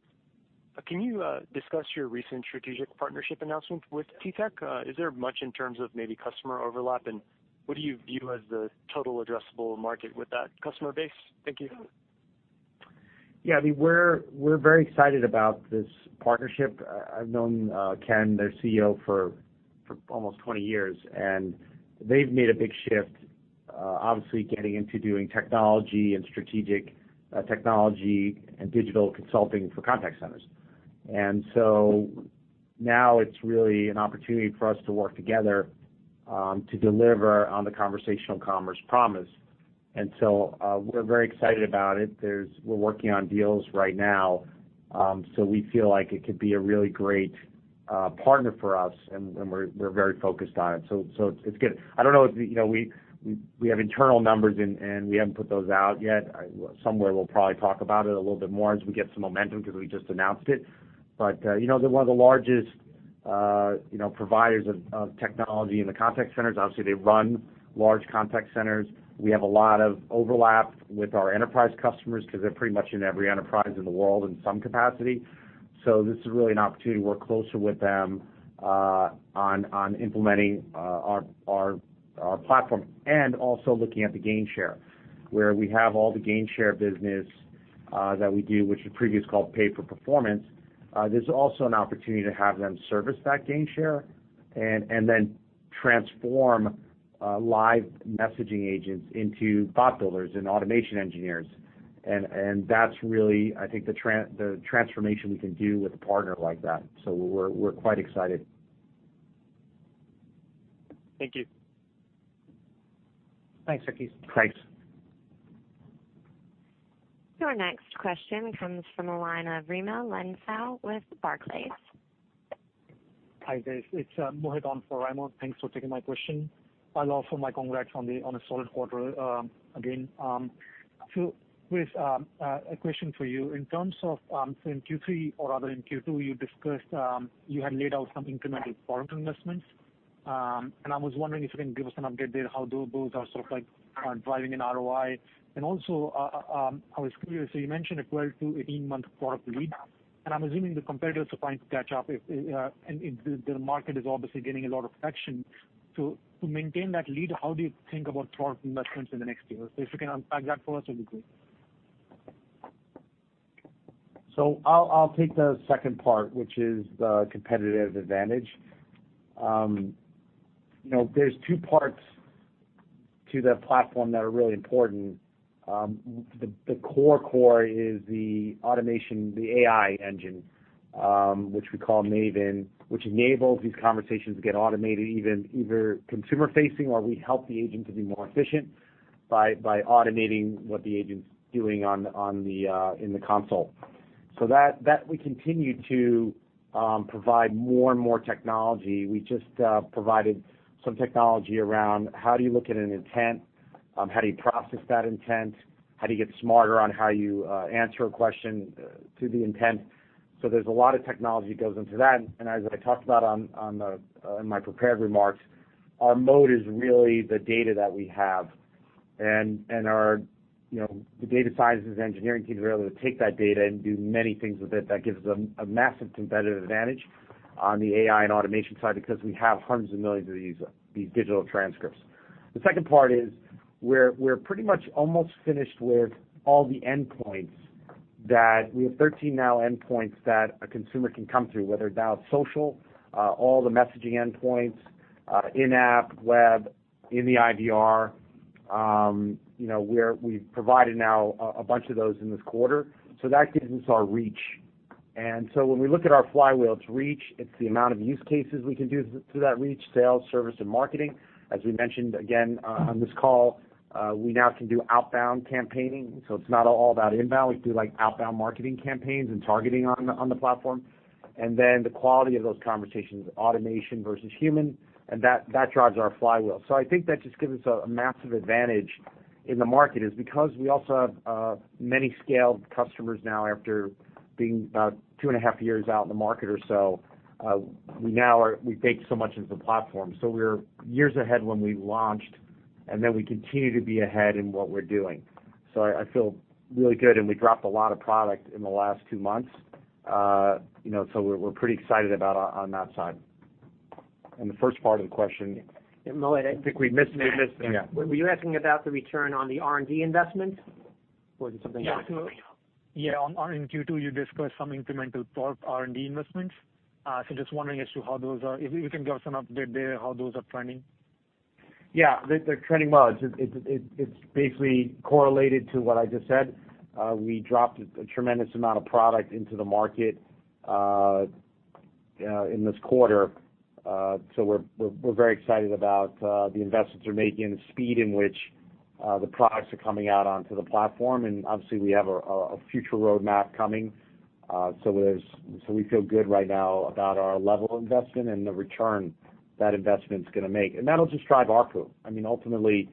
Can you discuss your recent strategic partnership announcement with TTEC? Is there much in terms of maybe customer overlap, and what do you view as the total addressable market with that customer base? Thank you. Yeah. We're very excited about this partnership. I've known Ken, their CEO, for almost 20 years. They've made a big shift, obviously getting into doing technology and strategic technology and digital consulting for contact centers. Now it's really an opportunity for us to work together to deliver on the conversational commerce promise. We're very excited about it. We're working on deals right now. We feel like it could be a really great partner for us, and we're very focused on it. It's good. I don't know. We have internal numbers, and we haven't put those out yet. Somewhere, we'll probably talk about it a little bit more as we get some momentum because we just announced it. They're one of the largest providers of technology in the contact centers. Obviously, they run large contact centers. We have a lot of overlap with our enterprise customers because they're pretty much in every enterprise in the world in some capacity. This is really an opportunity to work closer with them on implementing our platform and also looking at the gain share, where we have all the gain share business that we do, which was previously called Pay for Performance. There's also an opportunity to have them service that gain share and then transform live messaging agents into bot builders and automation engineers. That's really, I think, the transformation we can do with a partner like that. We're quite excited. Thank you. Thanks, Sarkis. Thanks. Your next question comes from the line of Raimo Lenschow with Barclays. Hi, guys. It's Mohit on for Raimo. Thanks for taking my question. I'll offer my congrats on a solid quarter again. Rob, a question for you. In terms of in Q3 or rather in Q2, you discussed you had laid out some incremental product investments. I was wondering if you can give us an update there, how those are sort of driving in ROI. Also, I was curious, so you mentioned a 12 to 18-month product lead, and I'm assuming the competitors are trying to catch up, and the market is obviously getting a lot of traction. To maintain that lead, how do you think about product investments in the next year? If you can unpack that for us, that'd be great. I'll take the second part, which is the competitive advantage. There's two parts to the platform that are really important. The core is the automation, the AI engine, which we call Maven, which enables these conversations to get automated, either consumer-facing or we help the agent to be more efficient by automating what the agent's doing in the console. That we continue to provide more and more technology. We just provided some technology around how do you look at an intent? How do you process that intent? How do you get smarter on how you answer a question to the intent? There's a lot of technology that goes into that. As I talked about in my prepared remarks, our mode is really the data that we have. The data sciences engineering teams are able to take that data and do many things with it that gives them a massive competitive advantage on the AI and automation side because we have hundreds of millions of these digital transcripts. The second part is we're pretty much almost finished with all the endpoints that we have 13 now endpoints that a consumer can come through, whether it dial social, all the messaging endpoints, in-app, web, in the IVR. We've provided now a bunch of those in this quarter. That gives us our reach. When we look at our flywheel, it's reach, it's the amount of use cases we can do through that reach, sales, service, and marketing. As we mentioned again on this call, we now can do outbound campaigning. It's not all about inbound. We do outbound marketing campaigns and targeting on the platform. The quality of those conversations, automation versus human, and that drives our flywheel. I think that just gives us a massive advantage in the market is because we also have many scaled customers now after being about two and a half years out in the market or so. We baked so much into the platform. We were years ahead when we launched, and then we continue to be ahead in what we're doing. I feel really good and we dropped a lot of product in the last two months. We're pretty excited about on that side. The first part of the question. Mo, I think we missed it. Yeah. Were you asking about the return on the R&D investment? Or was it something else? Yeah. In Q2 you discussed some incremental top R&D investments. Just wondering as to how those are. If you can give us an update there, how those are trending. Yeah. They're trending well. It's basically correlated to what I just said. We dropped a tremendous amount of product into the market in this quarter. We're very excited about the investments we're making and the speed in which the products are coming out onto the platform. Obviously we have a future roadmap coming. We feel good right now about our level of investment and the return that investment's going to make. That'll just drive ARPU. Ultimately,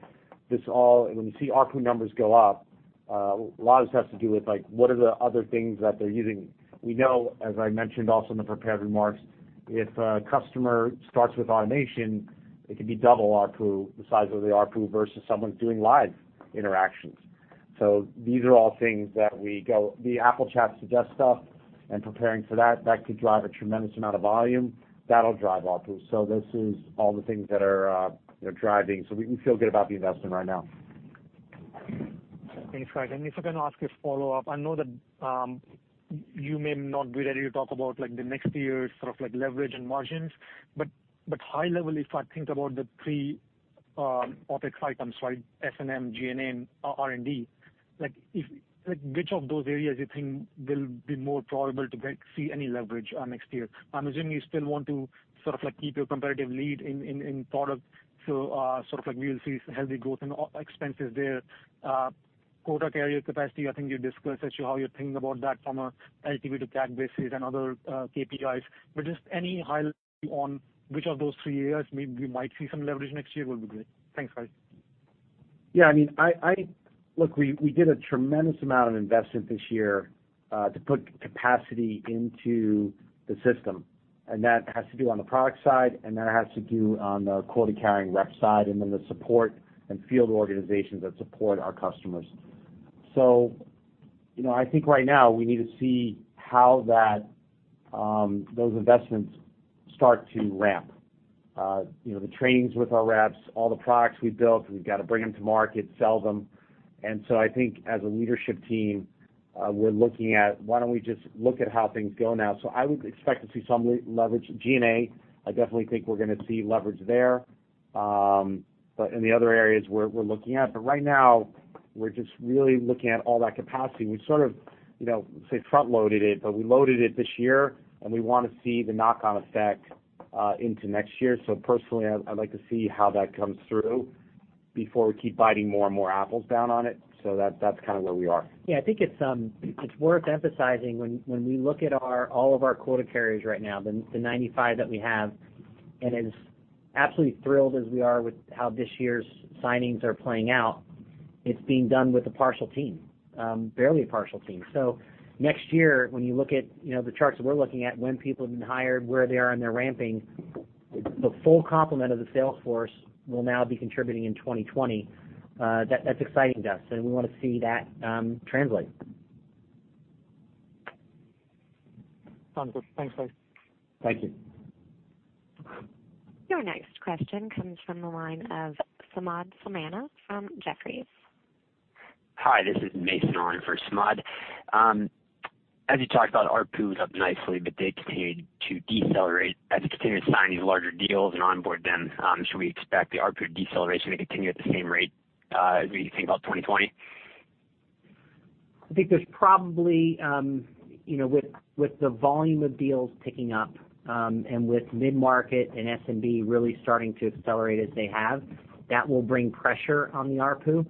when you see ARPU numbers go up, a lot of this has to do with what are the other things that they're using. We know, as I mentioned also in the prepared remarks, if a customer starts with automation, it could be double the size of the ARPU versus someone doing live interactions. These are all things that we go, the Apple Chat Suggest stuff and preparing for that could drive a tremendous amount of volume. That'll drive ARPU. This is all the things that are driving. We feel good about the investment right now. Thanks, guys. If I can ask a follow-up. I know that you may not be ready to talk about the next year's leverage and margins, high level, if I think about the three OpEx items, right? S&M, G&A, and R&D, which of those areas you think will be more probable to see any leverage next year? I'm assuming you still want to keep your competitive lead in product. We'll see healthy growth in expenses there. Quota carrier capacity, I think you discussed actually how you're thinking about that from a LTV to CAC basis and other KPIs. Just any highlight on which of those three areas maybe we might see some leverage next year will be great. Thanks, guys. Yeah. Look, we did a tremendous amount of investment this year to put capacity into the system, and that has to do on the product side, and that has to do on the quota-carrying rep side, and then the support and field organizations that support our customers. I think right now we need to see how those investments start to ramp. The trainings with our reps, all the products we've built, we've got to bring them to market, sell them. I think as a leadership team, we're looking at why don't we just look at how things go now. I would expect to see some leverage. G&A, I definitely think we're going to see leverage there. In the other areas we're looking at, right now we're just really looking at all that capacity. We sort of say front-loaded it, we loaded it this year and we want to see the knock-on effect into next year. Personally, I'd like to see how that comes through before we keep biting more and more apples down on it. That's where we are. Yeah. I think it's worth emphasizing when we look at all of our quota carriers right now, the 95 that we have, and as absolutely thrilled as we are with how this year's signings are playing out, it's being done with a partial team, barely a partial team. Next year, when you look at the charts that we're looking at, when people have been hired, where they are in their ramping, the full complement of the sales force will now be contributing in 2020. That's exciting to us, and we want to see that translate. Sounds good. Thanks, guys. Thank you. Your next question comes from the line of Samad Samana from Jefferies. Hi, this is Mason on for Samad. As you talked about, ARPU was up nicely, but they continued to decelerate as you continue to sign these larger deals and onboard them. Should we expect the ARPU deceleration to continue at the same rate as we think about 2020? I think with the volume of deals picking up, and with mid-market and SMB really starting to accelerate as they have, that will bring pressure on the ARPU.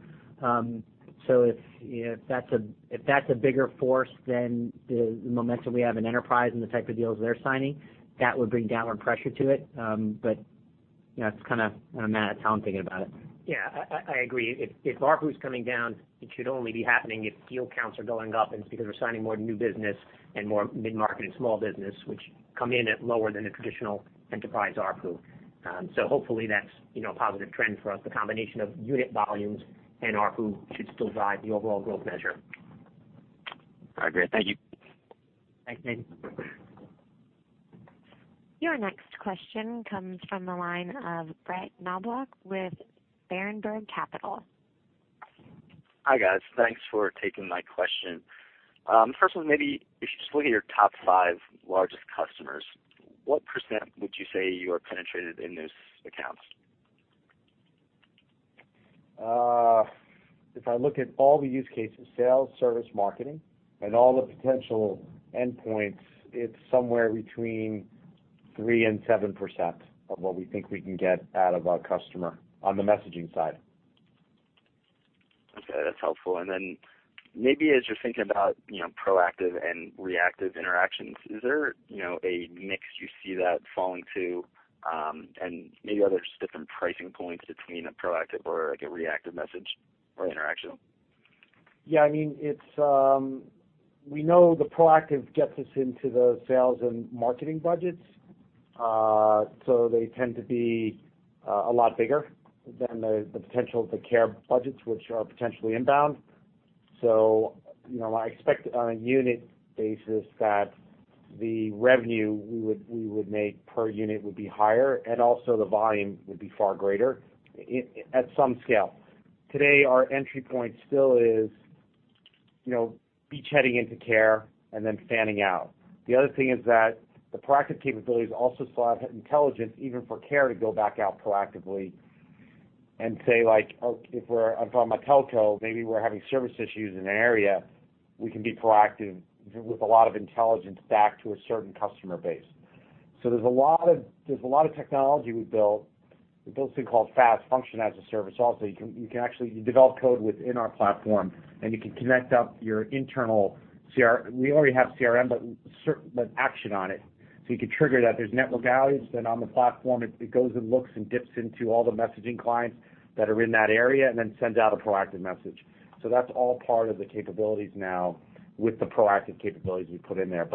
If that's a bigger force than the momentum we have in enterprise and the type of deals they're signing, that would bring downward pressure to it. That's kind of on a matter of time thinking about it. Yeah. I agree. If ARPU is coming down, it should only be happening if deal counts are going up, and it's because we're signing more new business and more mid-market and small business, which come in at lower than a traditional enterprise ARPU. Hopefully that's a positive trend for us. The combination of unit volumes and ARPU should still drive the overall growth measure. All right, great. Thank you. Thanks, Mason. Your next question comes from the line of Brett Knoblauch with Berenberg Capital. Hi, guys. Thanks for taking my question. First one, maybe if you just look at your top five largest customers, what % would you say you are penetrated in those accounts? If I look at all the use cases, sales, service, marketing, and all the potential endpoints, it's somewhere between 3% and 7% of what we think we can get out of our customer on the messaging side. Okay. That's helpful. Maybe as you're thinking about proactive and reactive interactions, is there a mix you see that falling to? Maybe are there different pricing points between a proactive or like a reactive message or interaction? Yeah. We know the proactive gets us into the sales and marketing budgets. They tend to be a lot bigger than the potential of the care budgets, which are potentially inbound. I expect on a unit basis that the revenue we would make per unit would be higher, and also the volume would be far greater at some scale. Today, our entry point still is, beachheading into care and then fanning out. The other thing is that the proactive capabilities also slot intelligence, even for care to go back out proactively and say, like, if I'm a telco, maybe we're having service issues in an area, we can be proactive with a lot of intelligence back to a certain customer base. There's a lot of technology we've built. We built this thing called FaaS, function as a service. You can actually develop code within our platform, and you can connect up your internal We already have CRM, but action on it. You could trigger that there's network outage, on the platform, it goes and looks and dips into all the messaging clients that are in that area and sends out a proactive message. That's all part of the capabilities now with the proactive capabilities we put in there.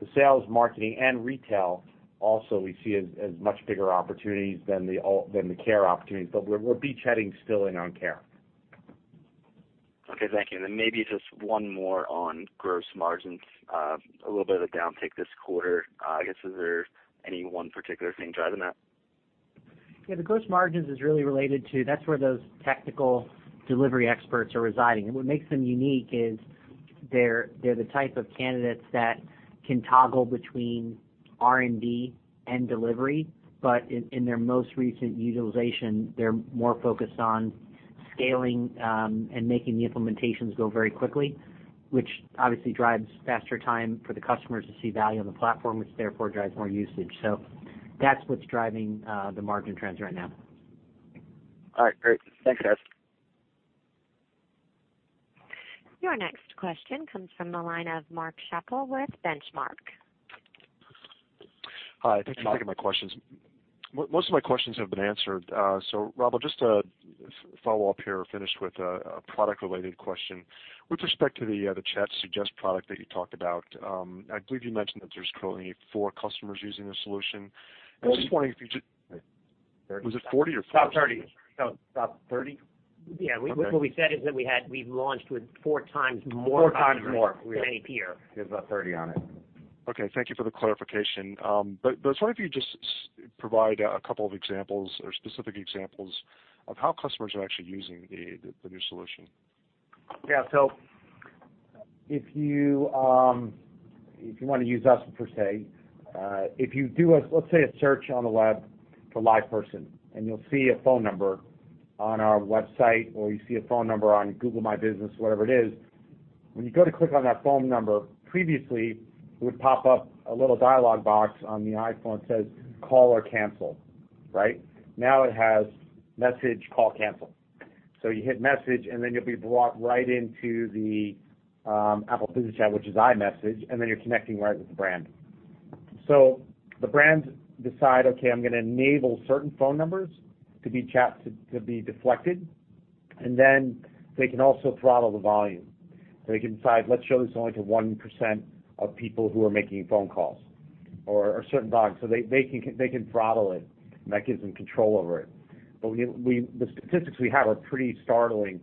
The sales, marketing, and retail also we see as much bigger opportunities than the care opportunities. We're beachheading still in on care. Okay, thank you. Maybe just one more on gross margins. A little bit of a downtick this quarter. I guess, is there any one particular thing driving that? Yeah, the gross margins, that's where those technical delivery experts are residing. What makes them unique is they're the type of candidates that can toggle between R&D and delivery, but in their most recent utilization, they're more focused on scaling and making the implementations go very quickly, which obviously drives faster time for the customers to see value on the platform, which therefore drives more usage. That's what's driving the margin trends right now. All right, great. Thanks, guys. Your next question comes from the line of Mark Schappel with Benchmark. Hi. Thank you for taking my questions. Most of my questions have been answered. Rob, just to follow up here or finish with a product-related question. With respect to the Chat Suggest product that you talked about, I believe you mentioned that there's currently four customers using this solution. 40. Was it 40 or four? It's about 30. About 30? Yeah. What we said is that we've launched with four times more customers- Four times more. than Apple. We have about 30 on it. Okay. Thank you for the clarification. I was wondering if you could just provide a couple of examples or specific examples of how customers are actually using the new solution. Yeah. If you want to use us, per se, if you do, let's say, a search on the web for LivePerson, you'll see a phone number on our website, or you see a phone number on Google My Business, whatever it is. When you go to click on that phone number, previously, it would pop up a little dialog box on the iPhone that says, "Call or cancel." Right. Now it has Message, Call, Cancel. You hit Message, and then you'll be brought right into the Apple Business Chat, which is iMessage, and then you're connecting right with the brand. The brands decide, "Okay, I'm going to enable certain phone numbers to be deflected." Then they can also throttle the volume. They can decide, let's show this only to 1% of people who are making phone calls or a certain volume. They can throttle it, and that gives them control over it. The statistics we have are pretty startling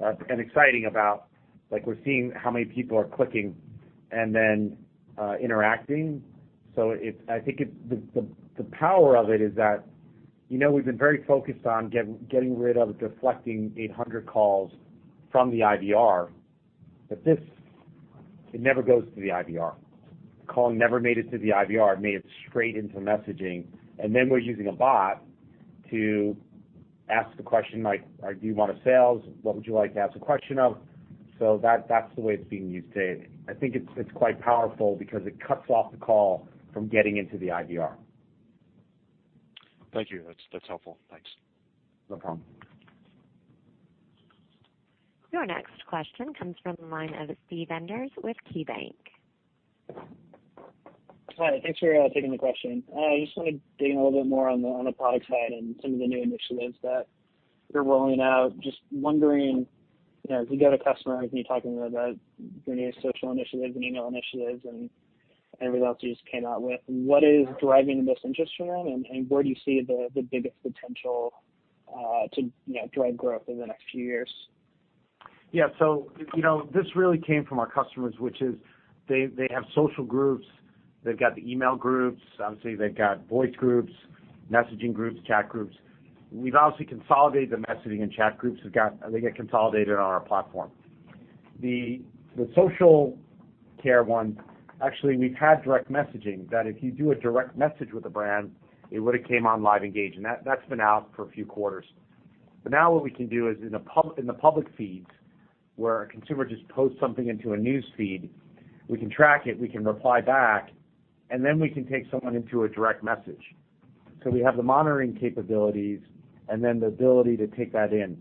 and exciting about, we're seeing how many people are clicking and then interacting. I think the power of it is that we've been very focused on getting rid of deflecting 800 calls from the IVR, but this, it never goes to the IVR. The call never made it to the IVR. It made it straight into messaging, and then we're using a bot to ask the question, like, "Do you want a sales? What would you like to ask a question of?" That's the way it's being used today. I think it's quite powerful because it cuts off the call from getting into the IVR. Thank you. That's helpful. Thanks. No problem. Your next question comes from the line of Steve Enders with KeyBanc. Hi. Thanks for taking the question. I just want to dig a little bit more on the product side and some of the new initiatives that you're rolling out. Just wondering, as you go to customers and you're talking about your new social initiatives and email initiatives and everything else you just came out with, what is driving this interest from them, and where do you see the biggest potential to drive growth over the next few years? This really came from our customers, which is they have social groups. They've got the email groups. Obviously, they've got voice groups, messaging groups, chat groups. We've obviously consolidated the messaging and chat groups. They get consolidated on our platform. The social care one, actually, we've had direct messaging, that if you do a direct message with a brand, it would have came on LiveEngage, and that's been out for a few quarters. Now what we can do is in the public feeds, where a consumer just posts something into a news feed, we can track it, we can reply back, and then we can take someone into a direct message. We have the monitoring capabilities and then the ability to take that in.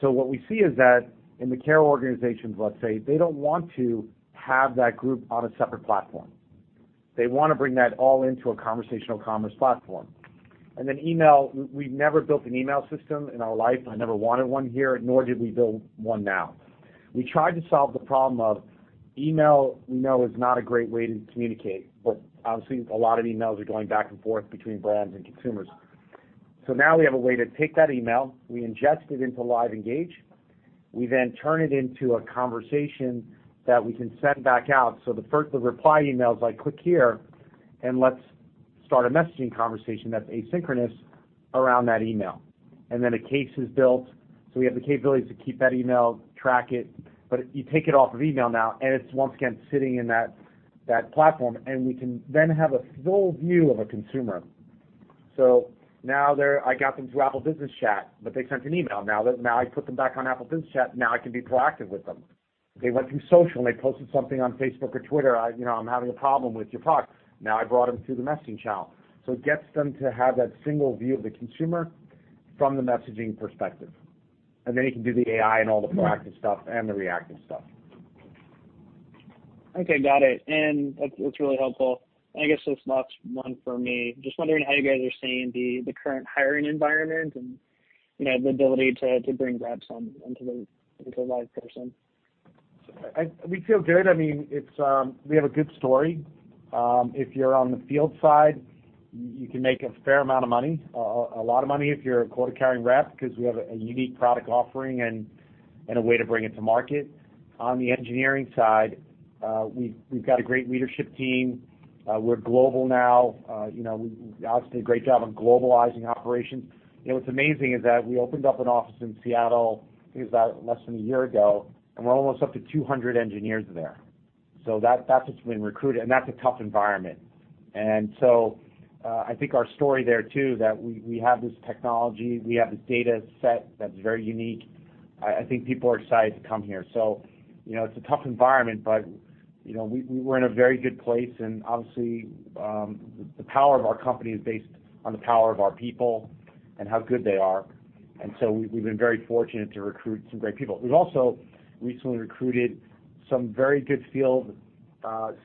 What we see is that in the care organizations, let's say, they don't want to have that group on a separate platform. They want to bring that all into a conversational commerce platform. Then email, we've never built an email system in our life. I never wanted one here, nor did we build one now. We tried to solve the problem of email, we know is not a great way to communicate, but obviously, a lot of emails are going back and forth between brands and consumers. Now we have a way to take that email. We ingest it into LiveEngage. We then turn it into a conversation that we can send back out. The reply email is I click here, and let's start a messaging conversation that's asynchronous around that email. Then a case is built. We have the capabilities to keep that email, track it, but you take it off of email now, and it's once again sitting in that platform, and we can then have a full view of a consumer. Now I got them through Apple Business Chat, but they sent an email. Now I put them back on Apple Business Chat. Now I can be proactive with them. They went through social, and they posted something on Facebook or Twitter, "I'm having a problem with your product." Now I brought them through the messaging channel. It gets them to have that single view of the consumer from the messaging perspective. Then you can do the AI and all the proactive stuff and the reactive stuff. Okay, got it. That's really helpful. I guess that's the last one for me. Just wondering how you guys are seeing the current hiring environment and the ability to bring reps onto the LivePerson. We feel good. We have a good story. If you're on the field side, you can make a fair amount of money, a lot of money if you're a quota-carrying rep because we have a unique product offering and a way to bring it to market. On the engineering side, we've got a great leadership team. We're global now. We obviously did a great job on globalizing operations. What's amazing is that we opened up an office in Seattle, I think it was about less than a year ago, and we're almost up to 200 engineers there. That's what's been recruited, that's a tough environment. I think our story there, too, that we have this technology, we have this data set that's very unique. I think people are excited to come here. It's a tough environment, but we're in a very good place, and obviously, the power of our company is based on the power of our people and how good they are. We've been very fortunate to recruit some great people. We've also recently recruited some very good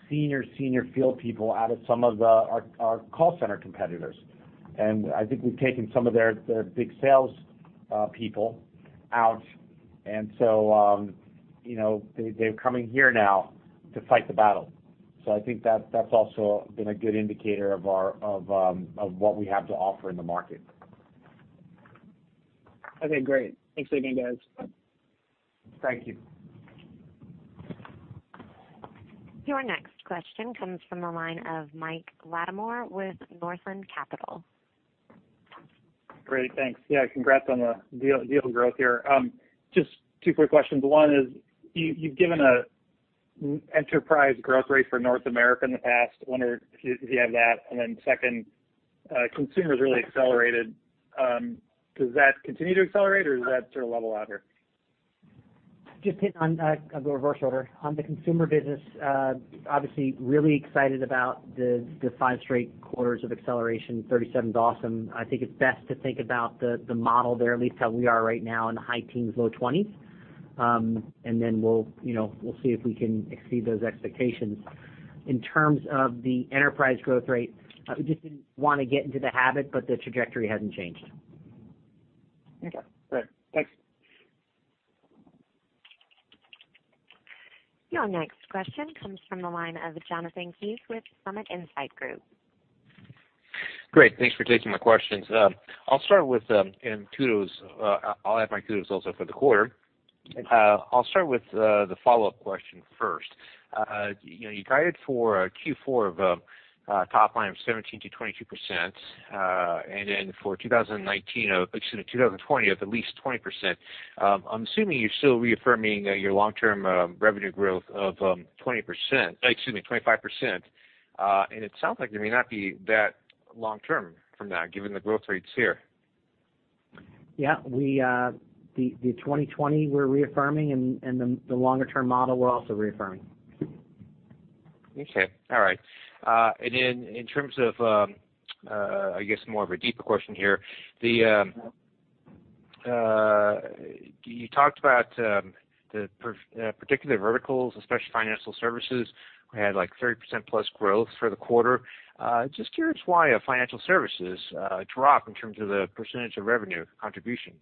senior field people out of some of our call center competitors. I think we've taken some of their big sales people out, and so they're coming here now to fight the battle. I think that's also been a good indicator of what we have to offer in the market. Okay, great. Thanks again, guys. Thank you. Your next question comes from the line of Mike Latimore with Northland Capital. Great. Thanks. Yeah, congrats on the deal growth here. Just two quick questions. One is, you've given an enterprise growth rate for North America in the past. I wonder if you have that. Second, consumers really accelerated. Does that continue to accelerate, or does that sort of level out here? I'll go reverse order. On the consumer business, obviously really excited about the five straight quarters of acceleration. 37 is awesome. I think it's best to think about the model there, at least how we are right now in the high teens, low 20s. We'll see if we can exceed those expectations. In terms of the enterprise growth rate, we just didn't want to get into the habit, but the trajectory hasn't changed. Okay. Great. Thanks. Your next question comes from the line of Jonathan Kees with Summit Insights Group. Great. Thanks for taking my questions. I'll start with congrats. I'll add my congrats also for the quarter. I'll start with the follow-up question first. You guided for a Q4 of a top line of 17%-22%, and then for 2020, of at least 20%. I'm assuming you're still reaffirming your long-term revenue growth of 25%. It sounds like it may not be that long-term from that, given the growth rates here. Yeah. The 2020, we're reaffirming, and the longer-term model, we're also reaffirming. Okay. All right. In terms of, I guess, more of a deeper question here. You talked about the particular verticals, especially financial services, had 30% plus growth for the quarter. Just curious why financial services dropped in terms of the percentage of revenue contribution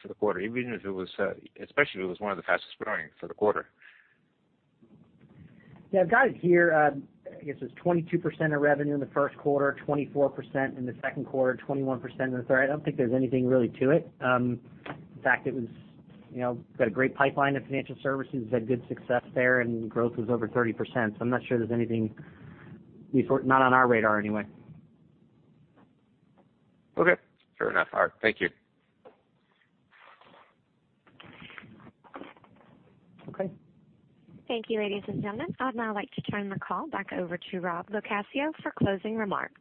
for the quarter, especially if it was one of the fastest-growing for the quarter? Yeah. I've got it here. I guess it's 22% of revenue in the first quarter, 24% in the second quarter, 21% in the third. I don't think there's anything really to it. In fact, we've got a great pipeline of financial services, we've had good success there, and growth was over 30%, so I'm not sure there's anything, not on our radar anyway. Okay. Fair enough. All right. Thank you. Okay. Thank you, ladies and gentlemen. I would now like to turn the call back over to Rob LoCascio for closing remarks.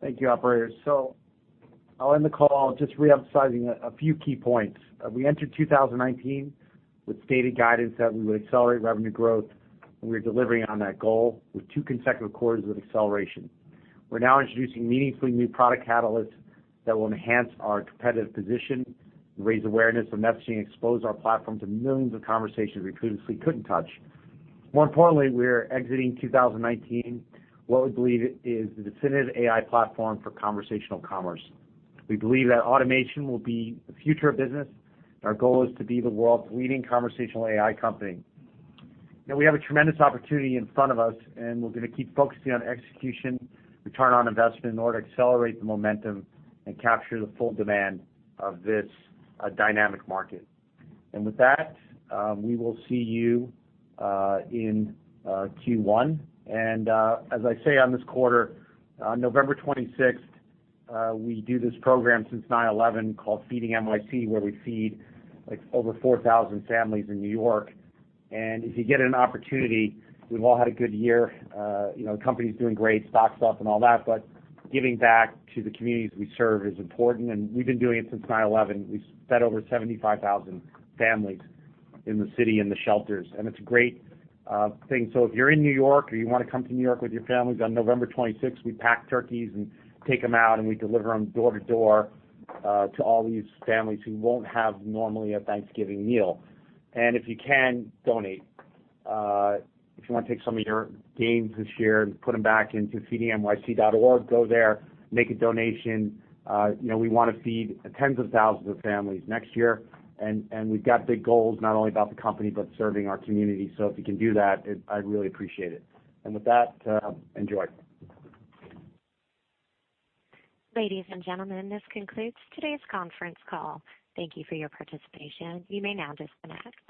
Thank you, operator. I'll end the call just reemphasizing a few key points. We entered 2019 with stated guidance that we would accelerate revenue growth. We're delivering on that goal with two consecutive quarters of acceleration. We're now introducing meaningfully new product catalysts that will enhance our competitive position, raise awareness of messaging, expose our platform to millions of conversations we previously couldn't touch. More importantly, we're exiting 2019 what we believe is the definitive AI platform for conversational commerce. We believe that automation will be the future of business. Our goal is to be the world's leading conversational AI company. We have a tremendous opportunity in front of us. We're going to keep focusing on execution, return on investment in order to accelerate the momentum and capture the full demand of this dynamic market. With that, we will see you in Q1. As I say on this quarter, on November 26th, we do this program since 9/11 called FeedingNYC, where we feed over 4,000 families in New York. If you get an opportunity, we've all had a good year. The company's doing great, stock's up and all that, but giving back to the communities we serve is important, and we've been doing it since 9/11. We've fed over 75,000 families in the city, in the shelters, and it's a great thing. If you're in New York or you want to come to New York with your families on November 26th, we pack turkeys and take them out, and we deliver them door to door to all these families who won't have normally a Thanksgiving meal. If you can, donate. If you want to take some of your gains this year and put them back into feedingnyc.org, go there, make a donation. We want to feed tens of thousands of families next year, and we've got big goals, not only about the company, but serving our community. If you can do that, I'd really appreciate it. With that, enjoy. Ladies and gentlemen, this concludes today's conference call. Thank you for your participation. You may now disconnect.